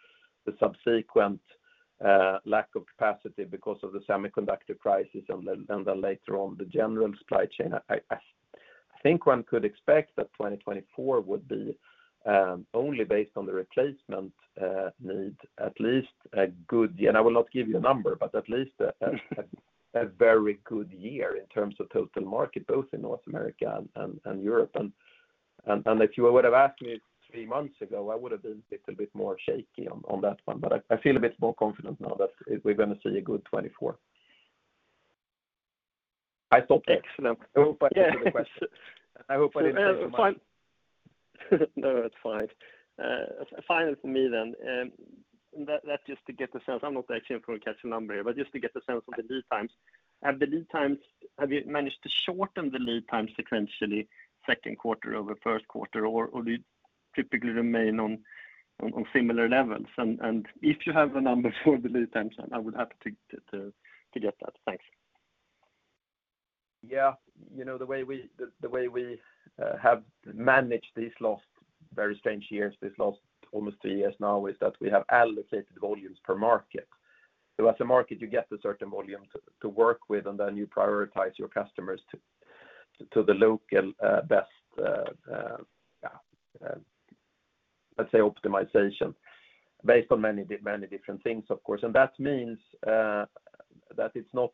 the subsequent lack of capacity because of the semiconductor crisis and then later on, the general supply chain. I think one could expect that 2024 would be only based on the replacement need at least a good. I will not give you a number, but at least a very good year in terms of total market, both in North America and Europe. If you would have asked me three months ago, I would have been a little bit more shaky on that one, but I feel a bit more confident now that we're going to see a good 2024. I stop there. Excellent. I hope I answered the question. Yeah. I hope I didn't say too much. No, it's fine. Final for me then. That's just to get the sense. I'm not actually going to catch a number, but just to get a sense of the lead times. Have the lead times have you managed to shorten the lead time sequentially, second quarter over first quarter, or do you typically remain on similar levels? If you have a number for the lead time, I would have to get that. Thanks. Yeah. You know, the way we have managed these last very strange years, these last almost three years now, is that we have allocated volumes per market. As a market, you get a certain volume to work with, and then you prioritize your customers to the local best, yeah, let's say, optimization, based on many different things, of course. That means that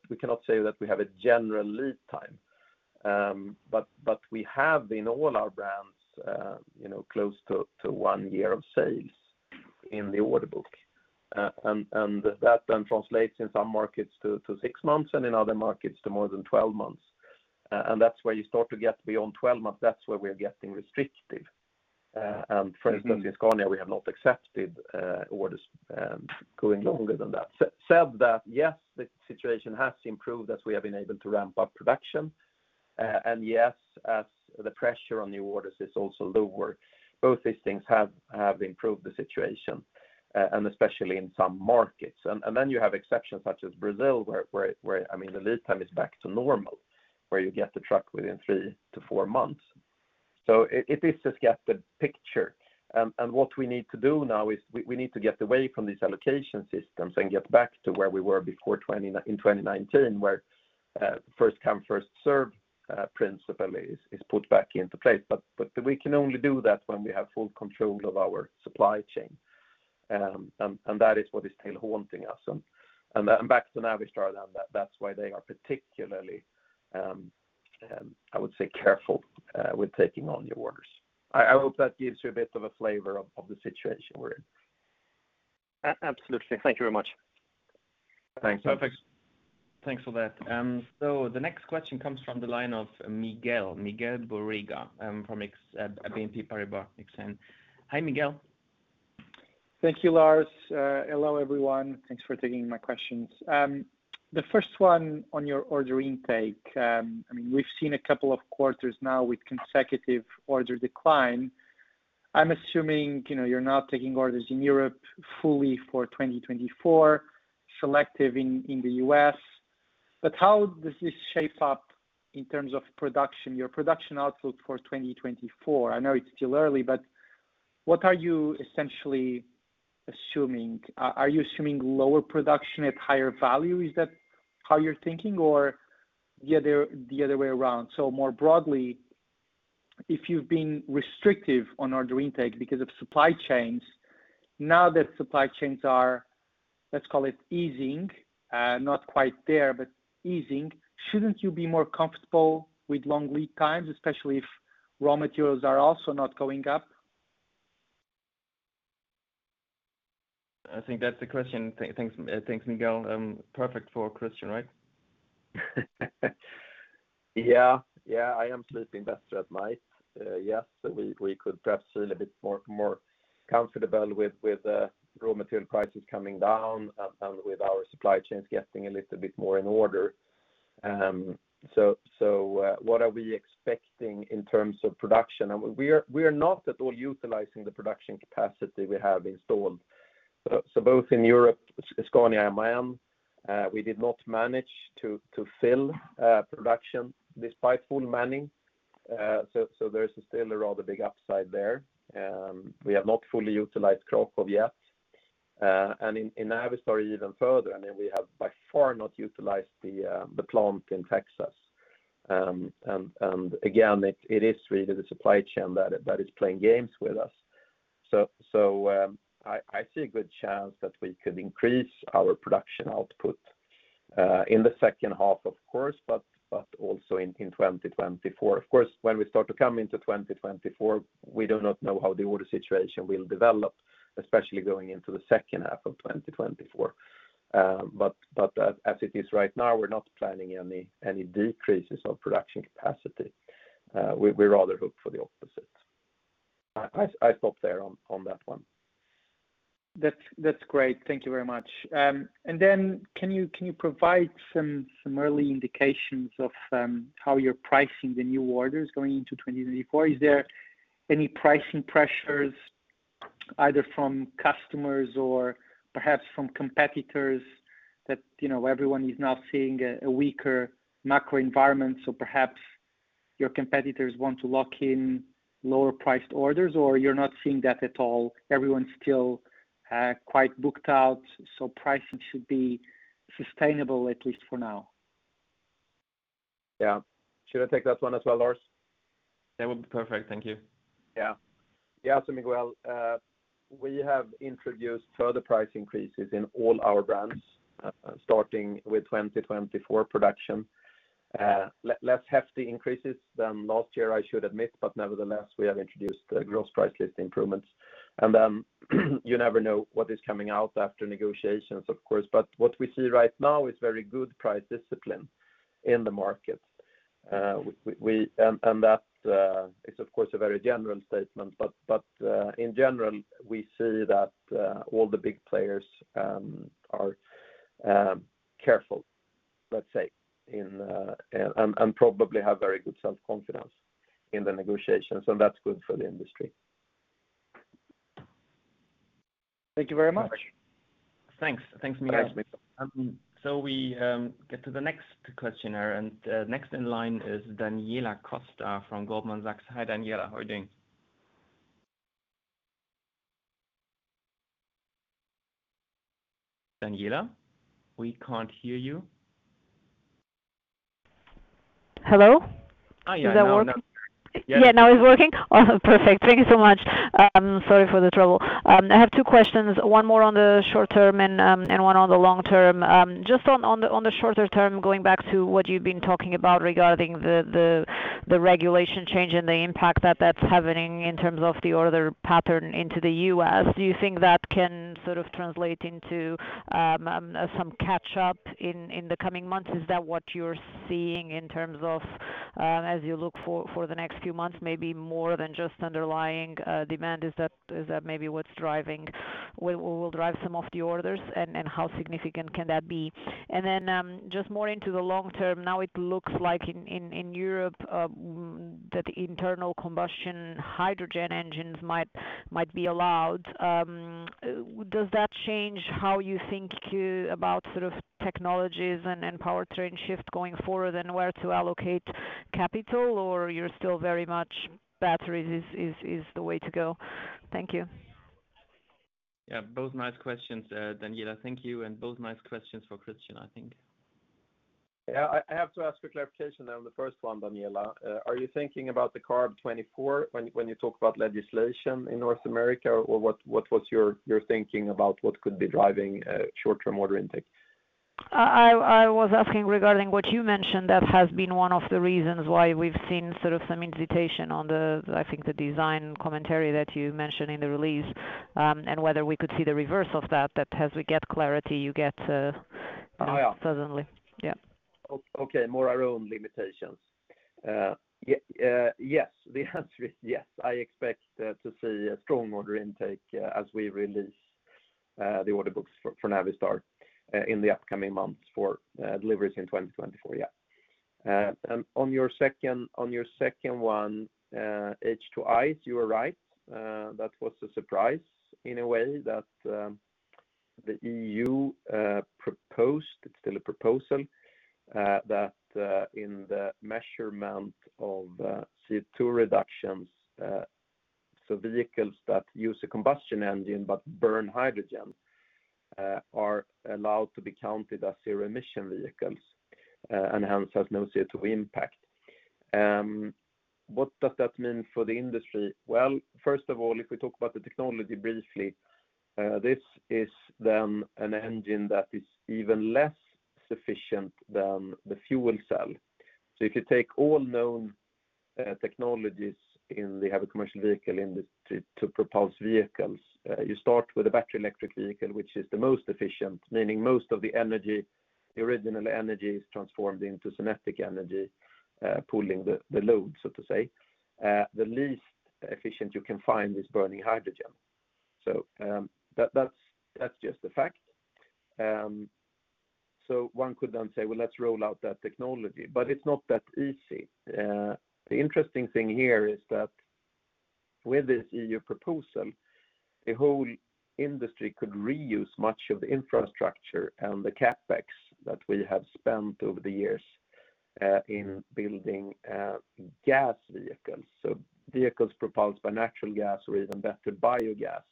we cannot say that we have a general lead time. But we have in all our brands, you know, close to one year of sales in the order book. And that then translates in some markets to six months, and in other markets, to more than 12 months. That's where you start to get beyond 12 months, that's where we're getting restrictive. In Scania, we have not accepted orders going longer than that. Said that, yes, the situation has improved as we have been able to ramp up production. Yes, as the pressure on the orders is also lower. Both these things have improved the situation, and especially in some markets. You have exceptions such as Brazil, where, I mean, the lead time is back to normal, where you get the truck within 3-4 months. It is just get the picture. What we need to do now is we need to get away from these allocation systems and get back to where we were before 2019, where first come, first served principle is put back into place. we can only do that when we have full control of our supply chain. That is what is still haunting us. Back to Navistar, that's why they are particularly, I would say careful, with taking on new orders. I hope that gives you a bit of a flavor of the situation we're in. Absolutely. Thank you very much. Thanks. Perfect. Thanks for that. The next question comes from the line of Miguel Borrega, from BNP Paribas Exane. Hi, Miguel. Thank you, Lars. Hello, everyone. Thanks for taking my questions. The first one on your order intake. I mean, we've seen a couple of quarters now with consecutive order decline. I'm assuming, you know, you're not taking orders in Europe fully for 2024, selective in the U.S., but how does this shape up in terms of production? Your production outlook for 2024. I know it's still early, but what are you essentially assuming? Are you assuming lower production at higher value? Is that how you're thinking, or the other way around? More broadly, if you've been restrictive on order intake because of supply chains, now that supply chains are, let's call it, easing, not quite there, but easing, shouldn't you be more comfortable with long lead times, especially if raw materials are also not going up? I think that's the question. Thanks, Miguel. Perfect for Christian, right? Yeah. Yeah, I am sleeping better at night. Yes, so we could perhaps feel a bit more comfortable with raw material prices coming down and with our supply chains getting a little bit more in order. So what are we expecting in terms of production? We are not at all utilizing the production capacity we have installed. So both in Europe, Scania and MAN, we did not manage to fill production despite full manning. So there's still a rather big upside there. We have not fully utilized Krakow yet. In Navistar even further, and then we have by far not utilized the plant in Texas. Again, it is really the supply chain that is playing games with us. I see a good chance that we could increase our production output in the second half, of course, but also in 2024. When we start to come into 2024, we do not know how the order situation will develop, especially going into the second half of 2024. But as it is right now, we're not planning any decreases of production capacity. We rather hope for the opposite. I stop there on that one. That's great. Thank you very much. Then can you provide some early indications of how you're pricing the new orders going into 2024? Is there any pricing pressures either from customers or perhaps from competitors that, you know, everyone is now seeing a weaker macro environment, so perhaps your competitors want to lock in lower priced orders, or you're not seeing that at all? Everyone's still quite booked out, so pricing should be sustainable, at least for now. Yeah. Should I take that one as well, Lars? That would be perfect. Thank you. Yeah. Yeah, Miguel, we have introduced further price increases in all our brands, starting with 2024 production. Less hefty increases than last year, I should admit, but nevertheless, we have introduced gross price list improvements. You never know what is coming out after negotiations, of course, but what we see right now is very good price discipline in the market. We and that is, of course, a very general statement, but in general, we see that all the big players are careful, let's say, in and probably have very good self-confidence in the negotiations, and that's good for the industry. Thank you very much. Thanks. Thanks, Miguel. Thanks. We get to the next questioner, next in line is Daniela Costa from Goldman Sachs. Hi, Daniela. How are you doing? Daniela, we can't hear you. Hello? Oh, yeah. Is that working? Yeah. Yeah, now it's working? Oh, perfect. Thank you so much. Sorry for the trouble. I have two questions, one more on the short term and one on the long term. Just on the shorter term, going back to what you've been talking about regarding the regulation change and the impact that that's having in terms of the order pattern into the U.S., do you think that can sort of translate into some catch up in the coming months? Is that what you're seeing in terms of as you look for the next few months, maybe more than just underlying demand? Is that maybe what will drive some of the orders, and how significant can that be? Just more into the long term, now it looks like in Europe, that internal combustion hydrogen engines might be allowed. Does that change how you think about sort of technologies and powertrain shift going forward and where to allocate capital, or you're still very much batteries is the way to go? Thank you. Yeah, both nice questions, Daniela. Thank you. Both nice questions for Christian, I think. I have to ask for clarification on the first one, Daniela. Are you thinking about the CARB 24 when you talk about legislation in North America? Or what's your thinking about what could be driving short-term order intake? I was asking regarding what you mentioned, that has been one of the reasons why we've seen sort of some invitation on the, I think, the design commentary that you mentioned in the release. Whether we could see the reverse of that as we get clarity, you get. Oh, yeah. Suddenly. Yeah. Okay, more our own limitations. Yes, the answer is yes. I expect to see a strong order intake as we release the order books for Navistar in the upcoming months for deliveries in 2024. Yeah. On your second one, H2 ICE, you are right. That was a surprise in a way that the EU proposed, it's still a proposal, that in the measurement of CO2 reductions, so vehicles that use a combustion engine but burn hydrogen, are allowed to be counted as zero emission vehicles and hence has no CO2 impact. What does that mean for the industry? Well, first of all, if we talk about the technology briefly, this is then an engine that is even less sufficient than the fuel cell. If you take all known technologies in the heavy commercial vehicle in the to propose vehicles, you start with a battery electric vehicle, which is the most efficient, meaning most of the energy, the original energy is transformed into kinetic energy, pulling the load, so to say. The least efficient you can find is burning hydrogen. That's just a fact. One could then say, "Well, let's roll out that technology," but it's not that easy. The interesting thing here is that with this EU proposal, the whole industry could reuse much of the infrastructure and the CapEx that we have spent over the years in building gas vehicles. Vehicles proposed by natural gas or even better, biogas.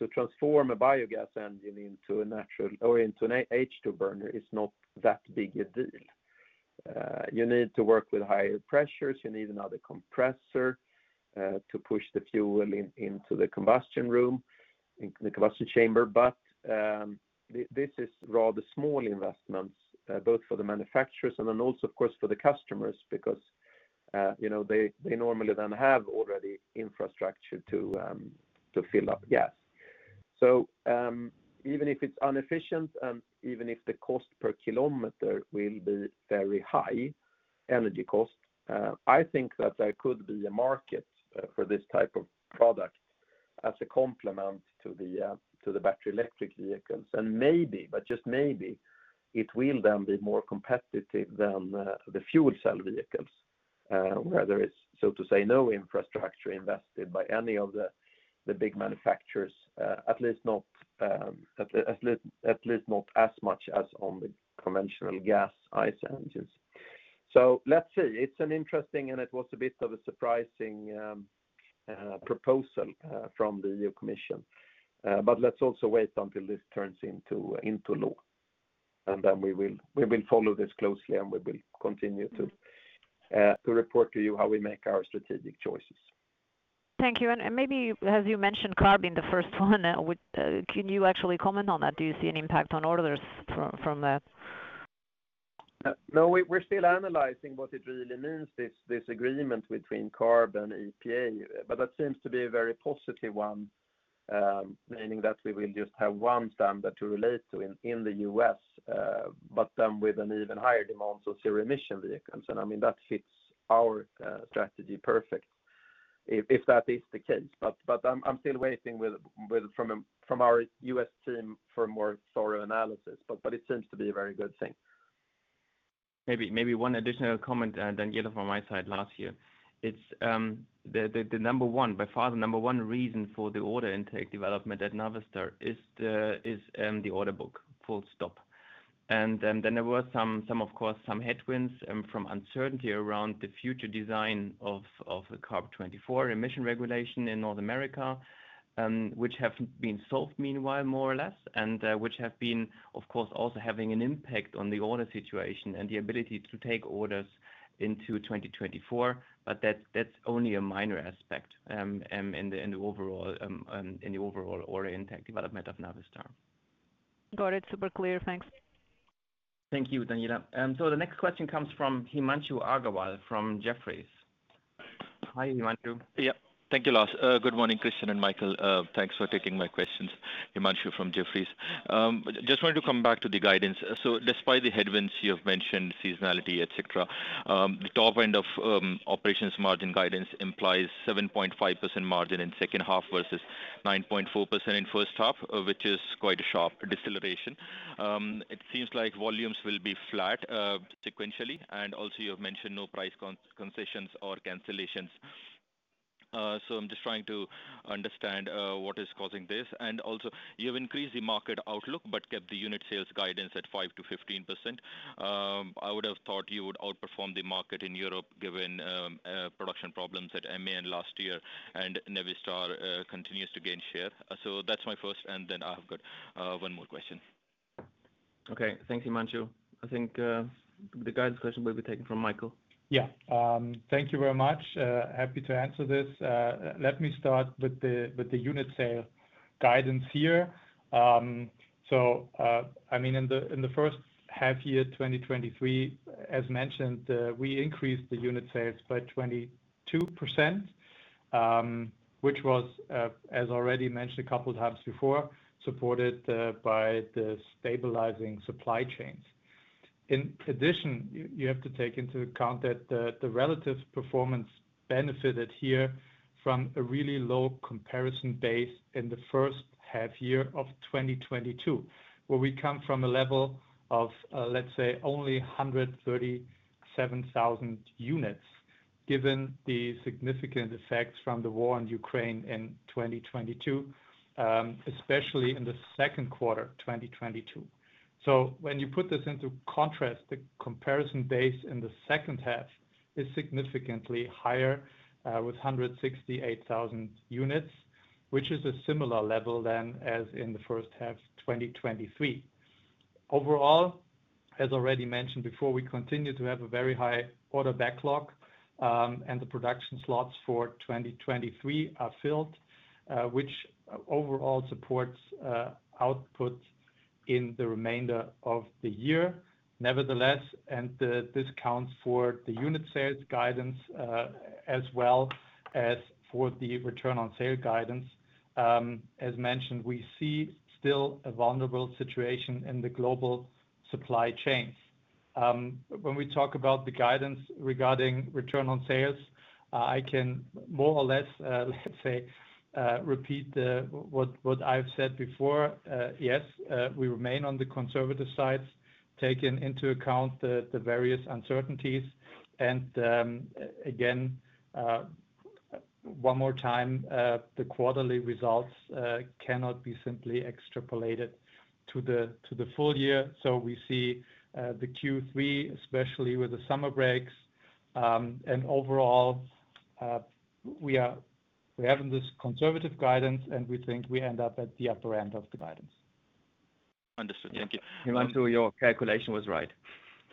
To transform a biogas engine into a natural or into an H2 burner is not that big a deal. You need to work with higher pressures, you need another compressor to push the fuel in, into the combustion room, in the combustion chamber. This is rather small investments, both for the manufacturers and then also, of course, for the customers, because, you know, they normally don't have already infrastructure to fill up gas. Even if it's inefficient, even if the cost per kilometer will be very high, energy cost, I think that there could be a market for this type of product as a complement to the battery electric vehicles. Maybe, but just maybe, it will then be more competitive than the fuel cell vehicles, where there is, so to say, no infrastructure invested by any of the big manufacturers, at least not as much as on the conventional gas ICE engines. Let's see. It's an interesting, and it was a bit of a surprising proposal from the EU Commission. Let's also wait until this turns into law, and then we will follow this closely, and we will continue to report to you how we make our strategic choices. Thank you. Maybe, as you mentioned, CARB in the first one, can you actually comment on that? Do you see an impact on orders from that? No, we're still analyzing what it really means, this agreement between CARB and EPA, that seems to be a very positive one, meaning that we will just have one standard to relate to in the U.S., with an even higher demands of zero emission vehicles. I mean, that fits our strategy perfect, if that is the case. I'm still waiting from our U.S. team for a more thorough analysis. It seems to be a very good thing. Maybe one additional comment, and then Daniela from my side last here. It's the number one, by far, the number one reason for the order intake development at Navistar is the order book, full stop. Then there were some, of course, some headwinds from uncertainty around the future design of the CARB 24 emission regulation in North America, which have been solved meanwhile, more or less, and which have been, of course, also having an impact on the order situation and the ability to take orders into 2024, that's only a minor aspect in the overall order intake development of Navistar. Got it. Super clear. Thanks. Thank you, Daniela. The next question comes from Himanshu Agarwal from Jefferies. Hi, Himanshu. Yeah. Thank you, Lars. Good morning, Christian and Michael. Thanks for taking my questions. Himanshu from Jefferies. Just wanted to come back to the guidance. Despite the headwinds you have mentioned, seasonality, et cetera, the top end of operations margin guidance implies 7.5% margin in second half versus 9.4% in first half, which is quite a sharp deceleration. It seems like volumes will be flat sequentially, and also you've mentioned no price concessions or cancellations. I'm just trying to understand what is causing this. Also, you've increased the market outlook, but kept the unit sales guidance at 5%-15%. I would have thought you would outperform the market in Europe, given production problems at MAN last year, and Navistar continues to gain share. That's my first, and then I have got, one more question. Okay. Thank you, Himanshu. I think the guidance question will be taken from Michael. Thank you very much. Happy to answer this. Let me start with the unit sale guidance here. In the first half year, 2023, as mentioned, we increased the unit sales by 22%, which was as already mentioned a couple of times before, supported by the stabilizing supply chains. In addition, you have to take into account that the relative performance benefited here from a really low comparison base in the first half year of 2022, where we come from a level of let's say, only 137,000 units, given the significant effects from the war in Ukraine in 2022, especially in the second quarter, 2022. When you put this into contrast, the comparison base in the second half is significantly higher, with 168,000 units, which is a similar level than as in the first half, 2023. Overall, as already mentioned before, we continue to have a very high order backlog, and the production slots for 2023 are filled, which overall supports output in the remainder of the year. Nevertheless, this counts for the unit sales guidance, as well as for the return on sales guidance. As mentioned, we see still a vulnerable situation in the global supply chains. When we talk about the guidance regarding return on sales, I can more or less, let's say, repeat what I've said before. Yes, we remain on the conservative side, taking into account the various uncertainties. Again, one more time, the quarterly results cannot be simply extrapolated to the full year. We see the Q3, especially with the summer breaks. Overall, we're having this conservative guidance, and we think we end up at the upper end of the guidance. Understood. Thank you. Himanshu, your calculation was right,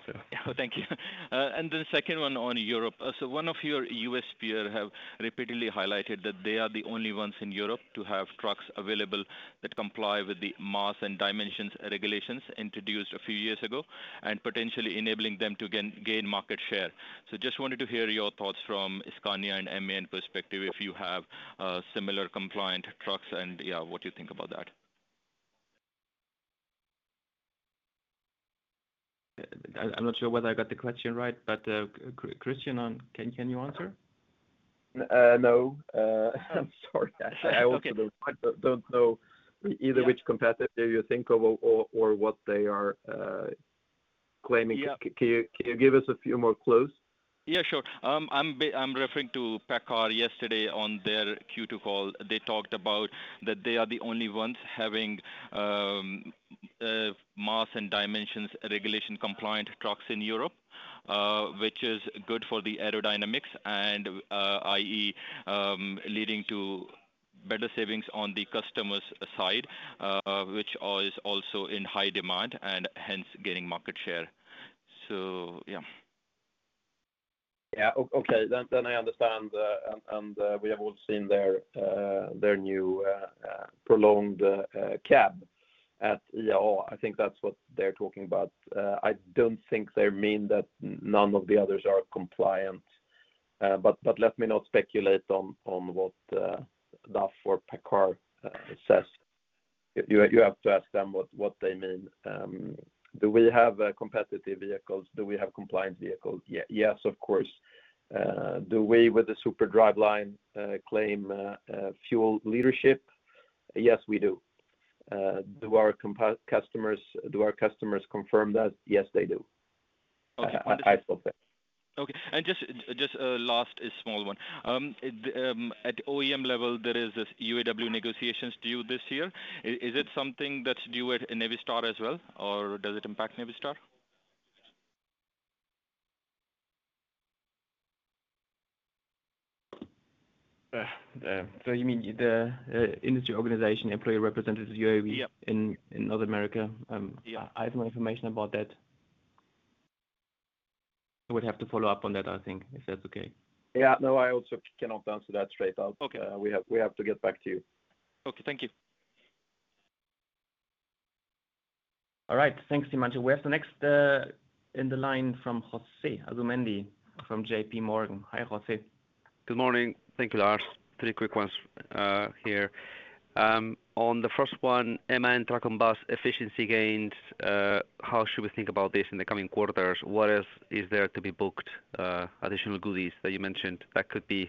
so. Thank you. The second one on Europe. One of your U.S. peer have repeatedly highlighted that they are the only ones in Europe to have trucks available that comply with the mass and dimensions regulations introduced a few years ago, and potentially enabling them to gain market share. Just wanted to hear your thoughts from Scania and MAN perspective, if you have similar compliant trucks and what you think about that? I'm not sure whether I got the question right, but Christian, can you answer? No. I'm sorry. Okay. I also don't know either which competitor you think of or what they are claiming. Yeah. Can you give us a few more clues? Yeah, sure. I'm referring to PACCAR yesterday on their Q2 call. They talked about that they are the only ones having mass and dimensions regulation compliant trucks in Europe, which is good for the aerodynamics and i.e., leading to better savings on the customers' side, which is also in high demand and hence, gaining market share. Yeah. Yeah. Okay, then I understand, we have all seen their new prolonged cab at IAA. I think that's what they're talking about. I don't think they mean that none of the others are compliant, let me not speculate on what DAF or PACCAR says. You have to ask them what they mean. Do we have competitive vehicles? Do we have compliant vehicles? Yeah. Yes, of course. Do we, with the Super Driveline, claim fuel leadership? Yes, we do. Do our customers confirm that? Yes, they do. Okay. I stop there. Okay. Just last, a small one. At OEM level, there is this UAW negotiations due this year. Is it something that's due at Navistar as well, or does it impact Navistar? You mean the, industry organization, employee representatives, UAW- Yeah... in North America? Yeah. I have more information about that. I would have to follow up on that, I think, if that's okay. Yeah. No, I also cannot answer that straight out. Okay. We have to get back to you. Okay. Thank you. All right. Thanks, Himanshu. We have the next in the line from Jose Asumendi, from JPMorgan. Hi, Jose. Good morning. Thank you, Lars. Three quick ones here. On the first one, MAN Truck & Bus efficiency gains, how should we think about this in the coming quarters? What else is there to be booked, additional goodies that you mentioned that could be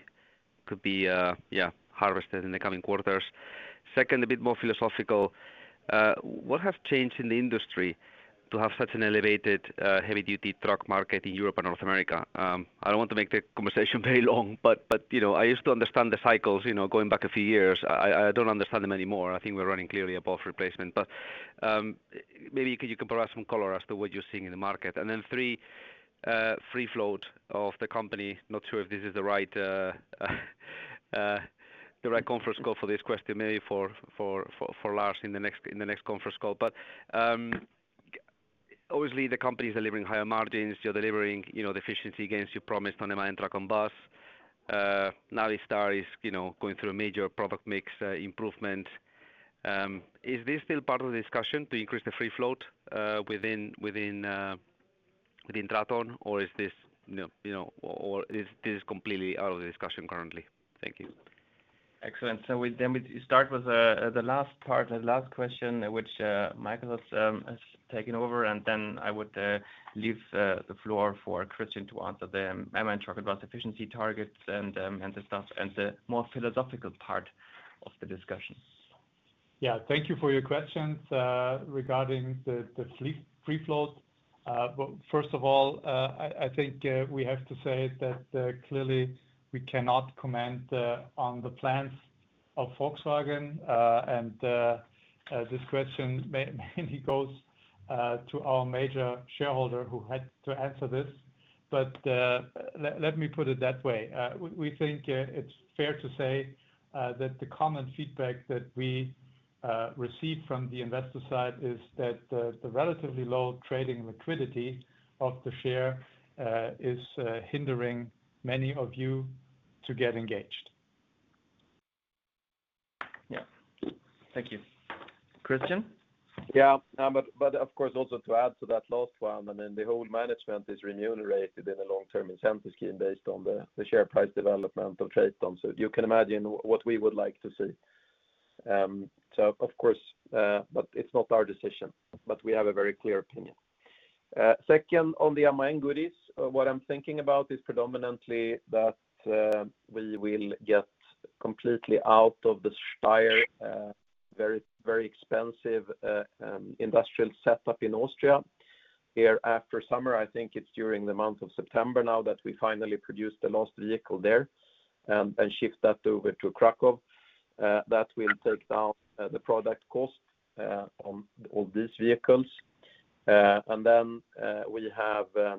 harvested in the coming quarters? Second, a bit more philosophical. What have changed in the industry to have such an elevated heavy-duty truck market in Europe and North America? I don't want to make the conversation very long, but, you know, I used to understand the cycles, you know, going back a few years. I don't understand them anymore. I think we're running clearly above replacement, but maybe you can provide some color as to what you're seeing in the market. free float of the company. Not sure if this is the right conference call for this question, maybe for Lars in the next conference call. Obviously, the company is delivering higher margins. You're delivering, you know, the efficiency gains you promised on the MAN Truck & Bus. Now, Navistar is, you know, going through a major product mix improvement. Is this still part of the discussion to increase the free float within TRATON? Is this, you know, or is this is completely out of the discussion currently? Thank you. Excellent. We then we start with the last part and last question, which Michael has taken over, and then I would leave the floor for Christian to answer the, MAN Truck & Bus efficiency targets and the stuff, and the more philosophical part of the discussion. Thank you for your questions regarding the free float. First of all, I think we have to say that clearly, we cannot comment on the plans of Volkswagen, and this question may mainly goes to our major shareholder who had to answer this. Let me put it that way. We think it's fair to say that the common feedback that we receive from the investor side is that the relatively low trading liquidity of the share is hindering many of you to get engaged. Yeah. Thank you. Christian? Of course, also to add to that last one, I mean, the whole management is remunerated in a long-term incentive scheme based on the share price development of TRATON. You can imagine what we would like to see. Of course, but it's not our decision, but we have a very clear opinion. Second, on the TRATON goodies, what I'm thinking about is predominantly that we will get completely out of the Steyr, very expensive industrial setup in Austria. Here after summer, I think it's during the month of September, now that we finally produced the last vehicle there, and shift that over to Krakow, that will take down the product cost on these vehicles. We have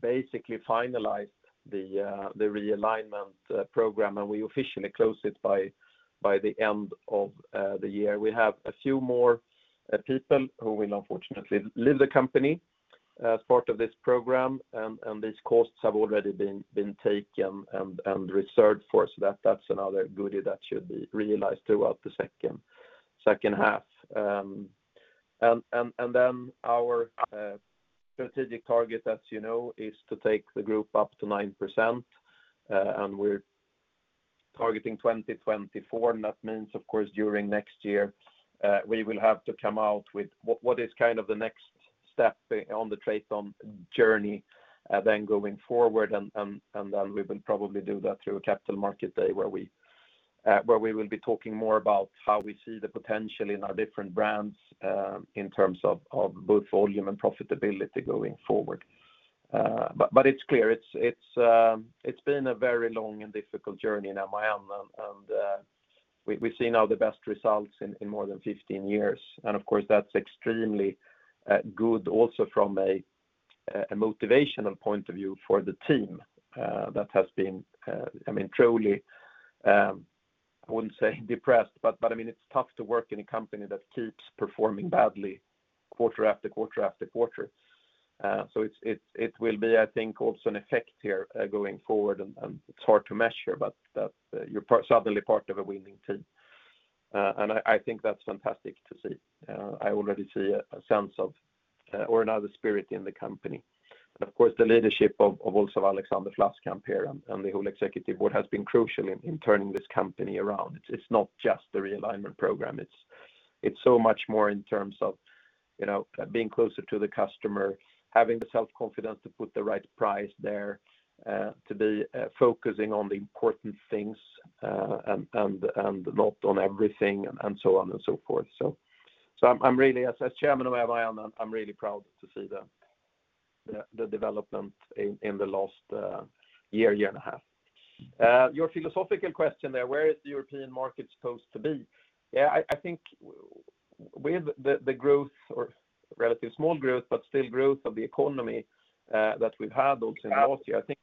basically finalized the realignment program, and we officially close it by the end of the year. We have a few more people who will unfortunately leave the company as part of this program, and these costs have already been taken and reserved for. That's another goodie that should be realized throughout the second half. Then our strategic target, as you know, is to take the group up to 9%, and we're targeting 2024. That means, of course, during next year, we will have to come out with what is kind of the next step on the TRATON journey, then going forward. Then we will probably do that through a capital market day, where we will be talking more about how we see the potential in our different brands, in terms of both volume and profitability going forward. It's clear, it's been a very long and difficult journey in TRATON, and we've seen now the best results in more than 15 years. Of course, that's extremely good also from a motivational point of view for the team that has been, I mean, truly, I wouldn't say depressed, but I mean, it's tough to work in a company that keeps performing badly quarter after quarter after quarter. It will be, I think, also an effect here, going forward, and it's hard to measure, but, you're part, suddenly part of a winning team. I think that's fantastic to see. I already see a sense of or another spirit in the company. Of course, the leadership of also Alexander Vlaskamp here and the whole executive board has been crucial in turning this company around. It's not just the realignment program. It's so much more in terms of, you know, being closer to the customer, having the self-confidence to put the right price there, to be focusing on the important things, and not on everything, and so on and so forth. I'm really, as chairman of TRATON, I'm really proud to see the development in the last year and a half. Your philosophical question there, where is the European market supposed to be? I think with the growth or relatively small growth, but still growth of the economy, that we've had also in last year, I think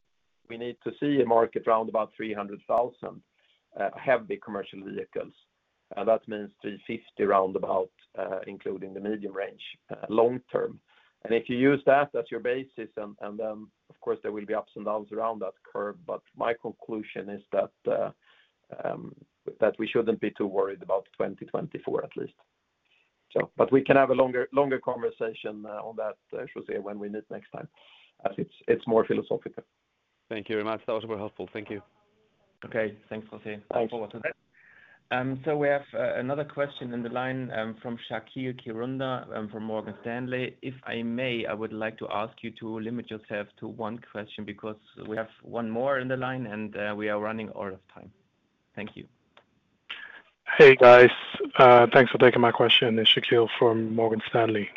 we need to see a market around about 300,000 heavy commercial vehicles. That means 350,000 roundabout, including the medium range, long term. If you use that as your basis, then, of course, there will be ups and downs around that curve, but my conclusion is that we shouldn't be too worried about 2024, at least. But we can have a longer conversation on that, José, when we meet next time, as it's more philosophical. Thank you very much. That was very helpful. Thank you. Okay. Thanks, José. Thanks. We have another question on the line from Shaqeal Kirunda from Morgan Stanley. If I may, I would like to ask you to limit yourself to one question because we have one more in the line, and we are running out of time. Thank you. Hey, guys. Thanks for taking my question. It's Shakil from Morgan Stanley.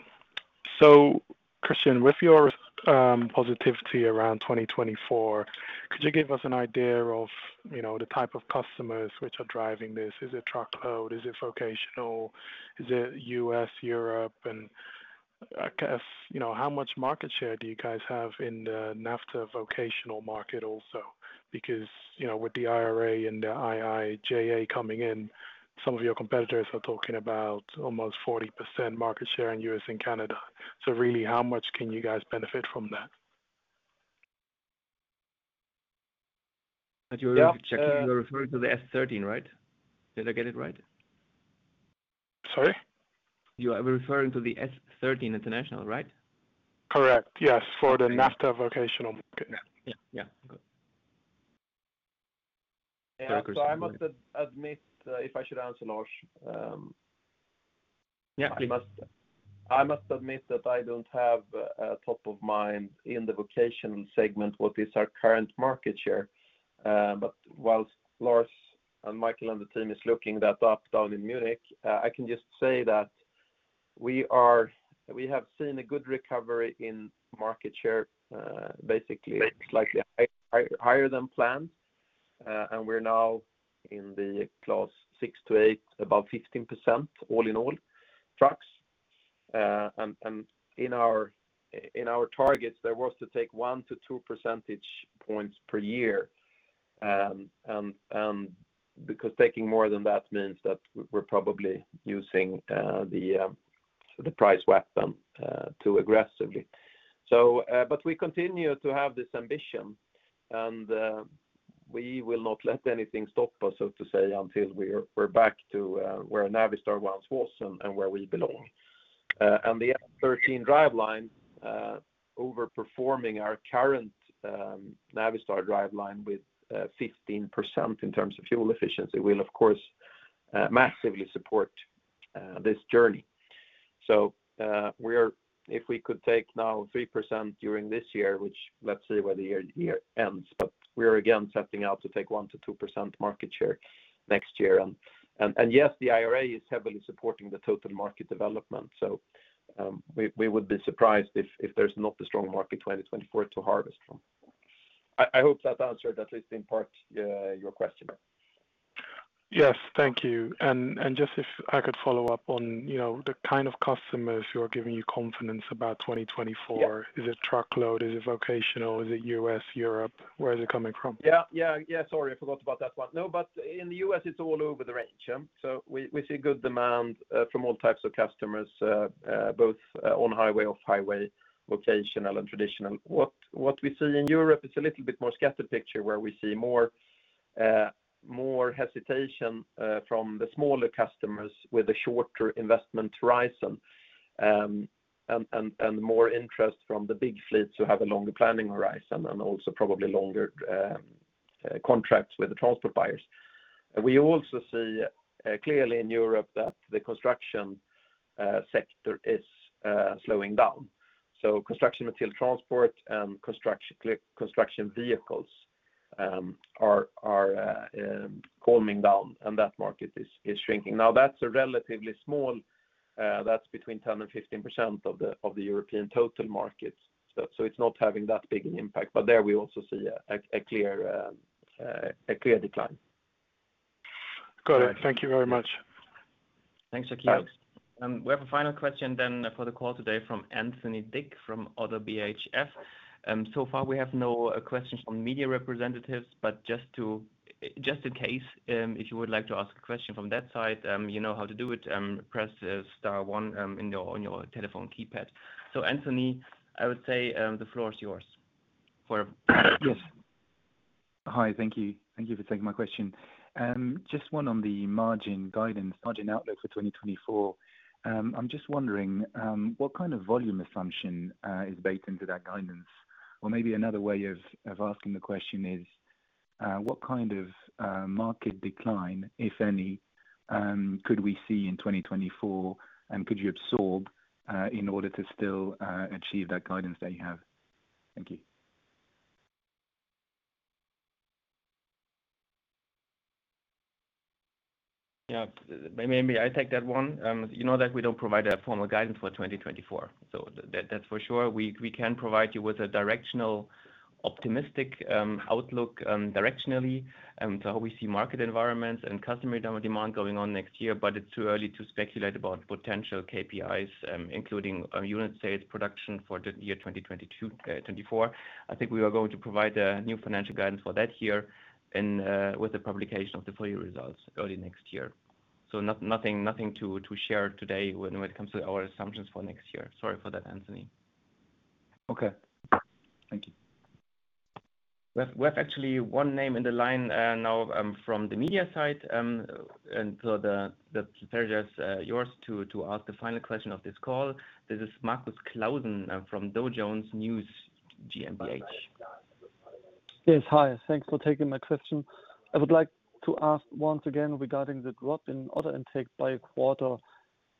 Christian, with your positivity around 2024. Could you give us an idea of, you know, the type of customers which are driving this? Is it truckload? Is it vocational? Is it U.S., Europe? I guess, you know, how much market share do you guys have in the NAFTA vocational market also? Because, you know, with the IRA and the IIJA coming in, some of your competitors are talking about almost 40% market share in U.S. and Canada. Really, how much can you guys benefit from that? You are referring to the S13, right? Did I get it right? Sorry? You are referring to the S13 International, right? Correct. Yes, for the NAFTA vocational market. Yeah. Yeah, yeah. Good. Yeah. I must admit, if I should answer, Lars. Yeah. I must admit that I don't have a top of mind in the vocational segment, what is our current market share. Whilst Lars and Michael and the team is looking that up down in Munich, I can just say that we have seen a good recovery in market share, basically, slightly high, higher than planned. We're now in the class six to eight, about 15%, all in all, trucks. In our targets, there was to take one to two percentage points per year. Because taking more than that means that we're probably using the price weapon too aggressively. But we continue to have this ambition, and we will not let anything stop us, so to say, until we're back to where Navistar once was and where we belong. And the 13 driveline overperforming our current Navistar driveline with 15% in terms of fuel efficiency, will of course massively support this journey. We are if we could take now 3% during this year, which let's see where the year ends, but we're again setting out to take 1%-2% market share next year. Yes, the IRA is heavily supporting the total market development, we would be surprised if there's not a strong market in 2024 to harvest from. I hope that answered, at least in part, your question. Yes. Thank you. Just if I could follow up on, you know, the kind of customers who are giving you confidence about 2024? Yeah. Is it truckload? Is it vocational? Is it U.S., Europe? Where is it coming from? Yeah, yeah. Sorry, I forgot about that one. In the U.S., it's all over the range. Yeah. We see good demand from all types of customers, both on highway, off highway, vocational and traditional. What we see in Europe is a little bit more scattered picture, where we see more hesitation from the smaller customers with a shorter investment horizon, and more interest from the big fleets who have a longer planning horizon, and also probably longer contracts with the transport buyers. We also see clearly in Europe that the construction sector is slowing down. Construction material transport and construction vehicles are calming down, and that market is shrinking. That's a relatively small. That's between 10% and 15% of the European total markets. it's not having that big an impact, but there we also see a clear decline. Got it. Thank you very much. Thanks, Shaqeel. We have a final question then for the call today from Anthony Dick, from ODDO BHF. So far, we have no questions from media representatives, but just in case, if you would like to ask a question from that side, you know how to do it. Press star one, in your, on your telephone keypad. Anthony, I would say, the floor is yours. Yes. Hi. Thank you. Thank you for taking my question. Just one on the margin guidance, margin outlook for 2024. I'm just wondering what kind of volume assumption is baked into that guidance? Or maybe another way of asking the question is what kind of market decline, if any, could we see in 2024, and could you absorb in order to still achieve that guidance that you have? Thank you. Yeah. Maybe I take that one. You know that we don't provide a formal guidance for 2024, that's for sure. We can provide you with a directional, optimistic outlook, directionally, to how we see market environments and customer demand going on next year. It's too early to speculate about potential KPIs, including unit sales production for the year 2022, 2024. I think we are going to provide a new financial guidance for that year in with the publication of the full year results early next year. Nothing to share today when it comes to our assumptions for next year. Sorry for that, Anthony. Okay. Thank you. We have actually one name in the line, now, from the media side. The privilege is yours to ask the final question of this call. This is Marcus Clausen from Dow Jones News GmbH. Yes, hi. Thanks for taking my question. I would like to ask once again regarding the drop in order intake by a quarter.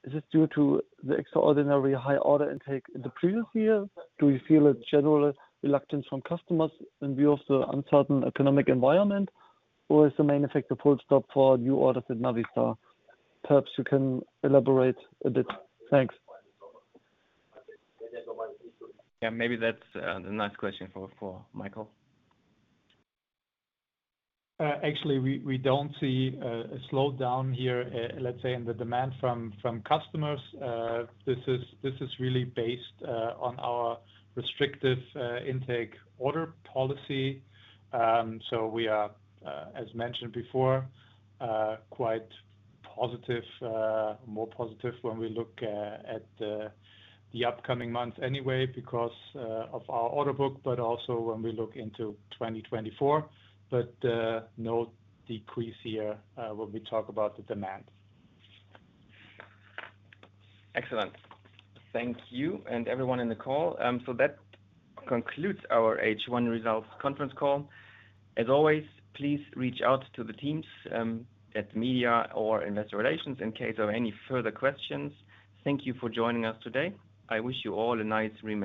Is this due to the extraordinary high order intake in the previous year? Do you feel a general reluctance from customers in view of the uncertain economic environment, or is the main effect a full stop for new orders at Navistar? Perhaps you can elaborate a bit. Thanks. Yeah, maybe that's the next question for Michael. Actually, we don't see a slowdown here, let's say, in the demand from customers. This is really based on our restrictive intake order policy. We are as mentioned before quite positive, more positive when we look at the upcoming months anyway because of our order book, but also when we look into 2024. No decrease here when we talk about the demand. Excellent. Thank you and everyone in the call. That concludes our H1 results conference call. As always, please reach out to the teams, at media or investor relations in case of any further questions. Thank you for joining us today. I wish you all a nice.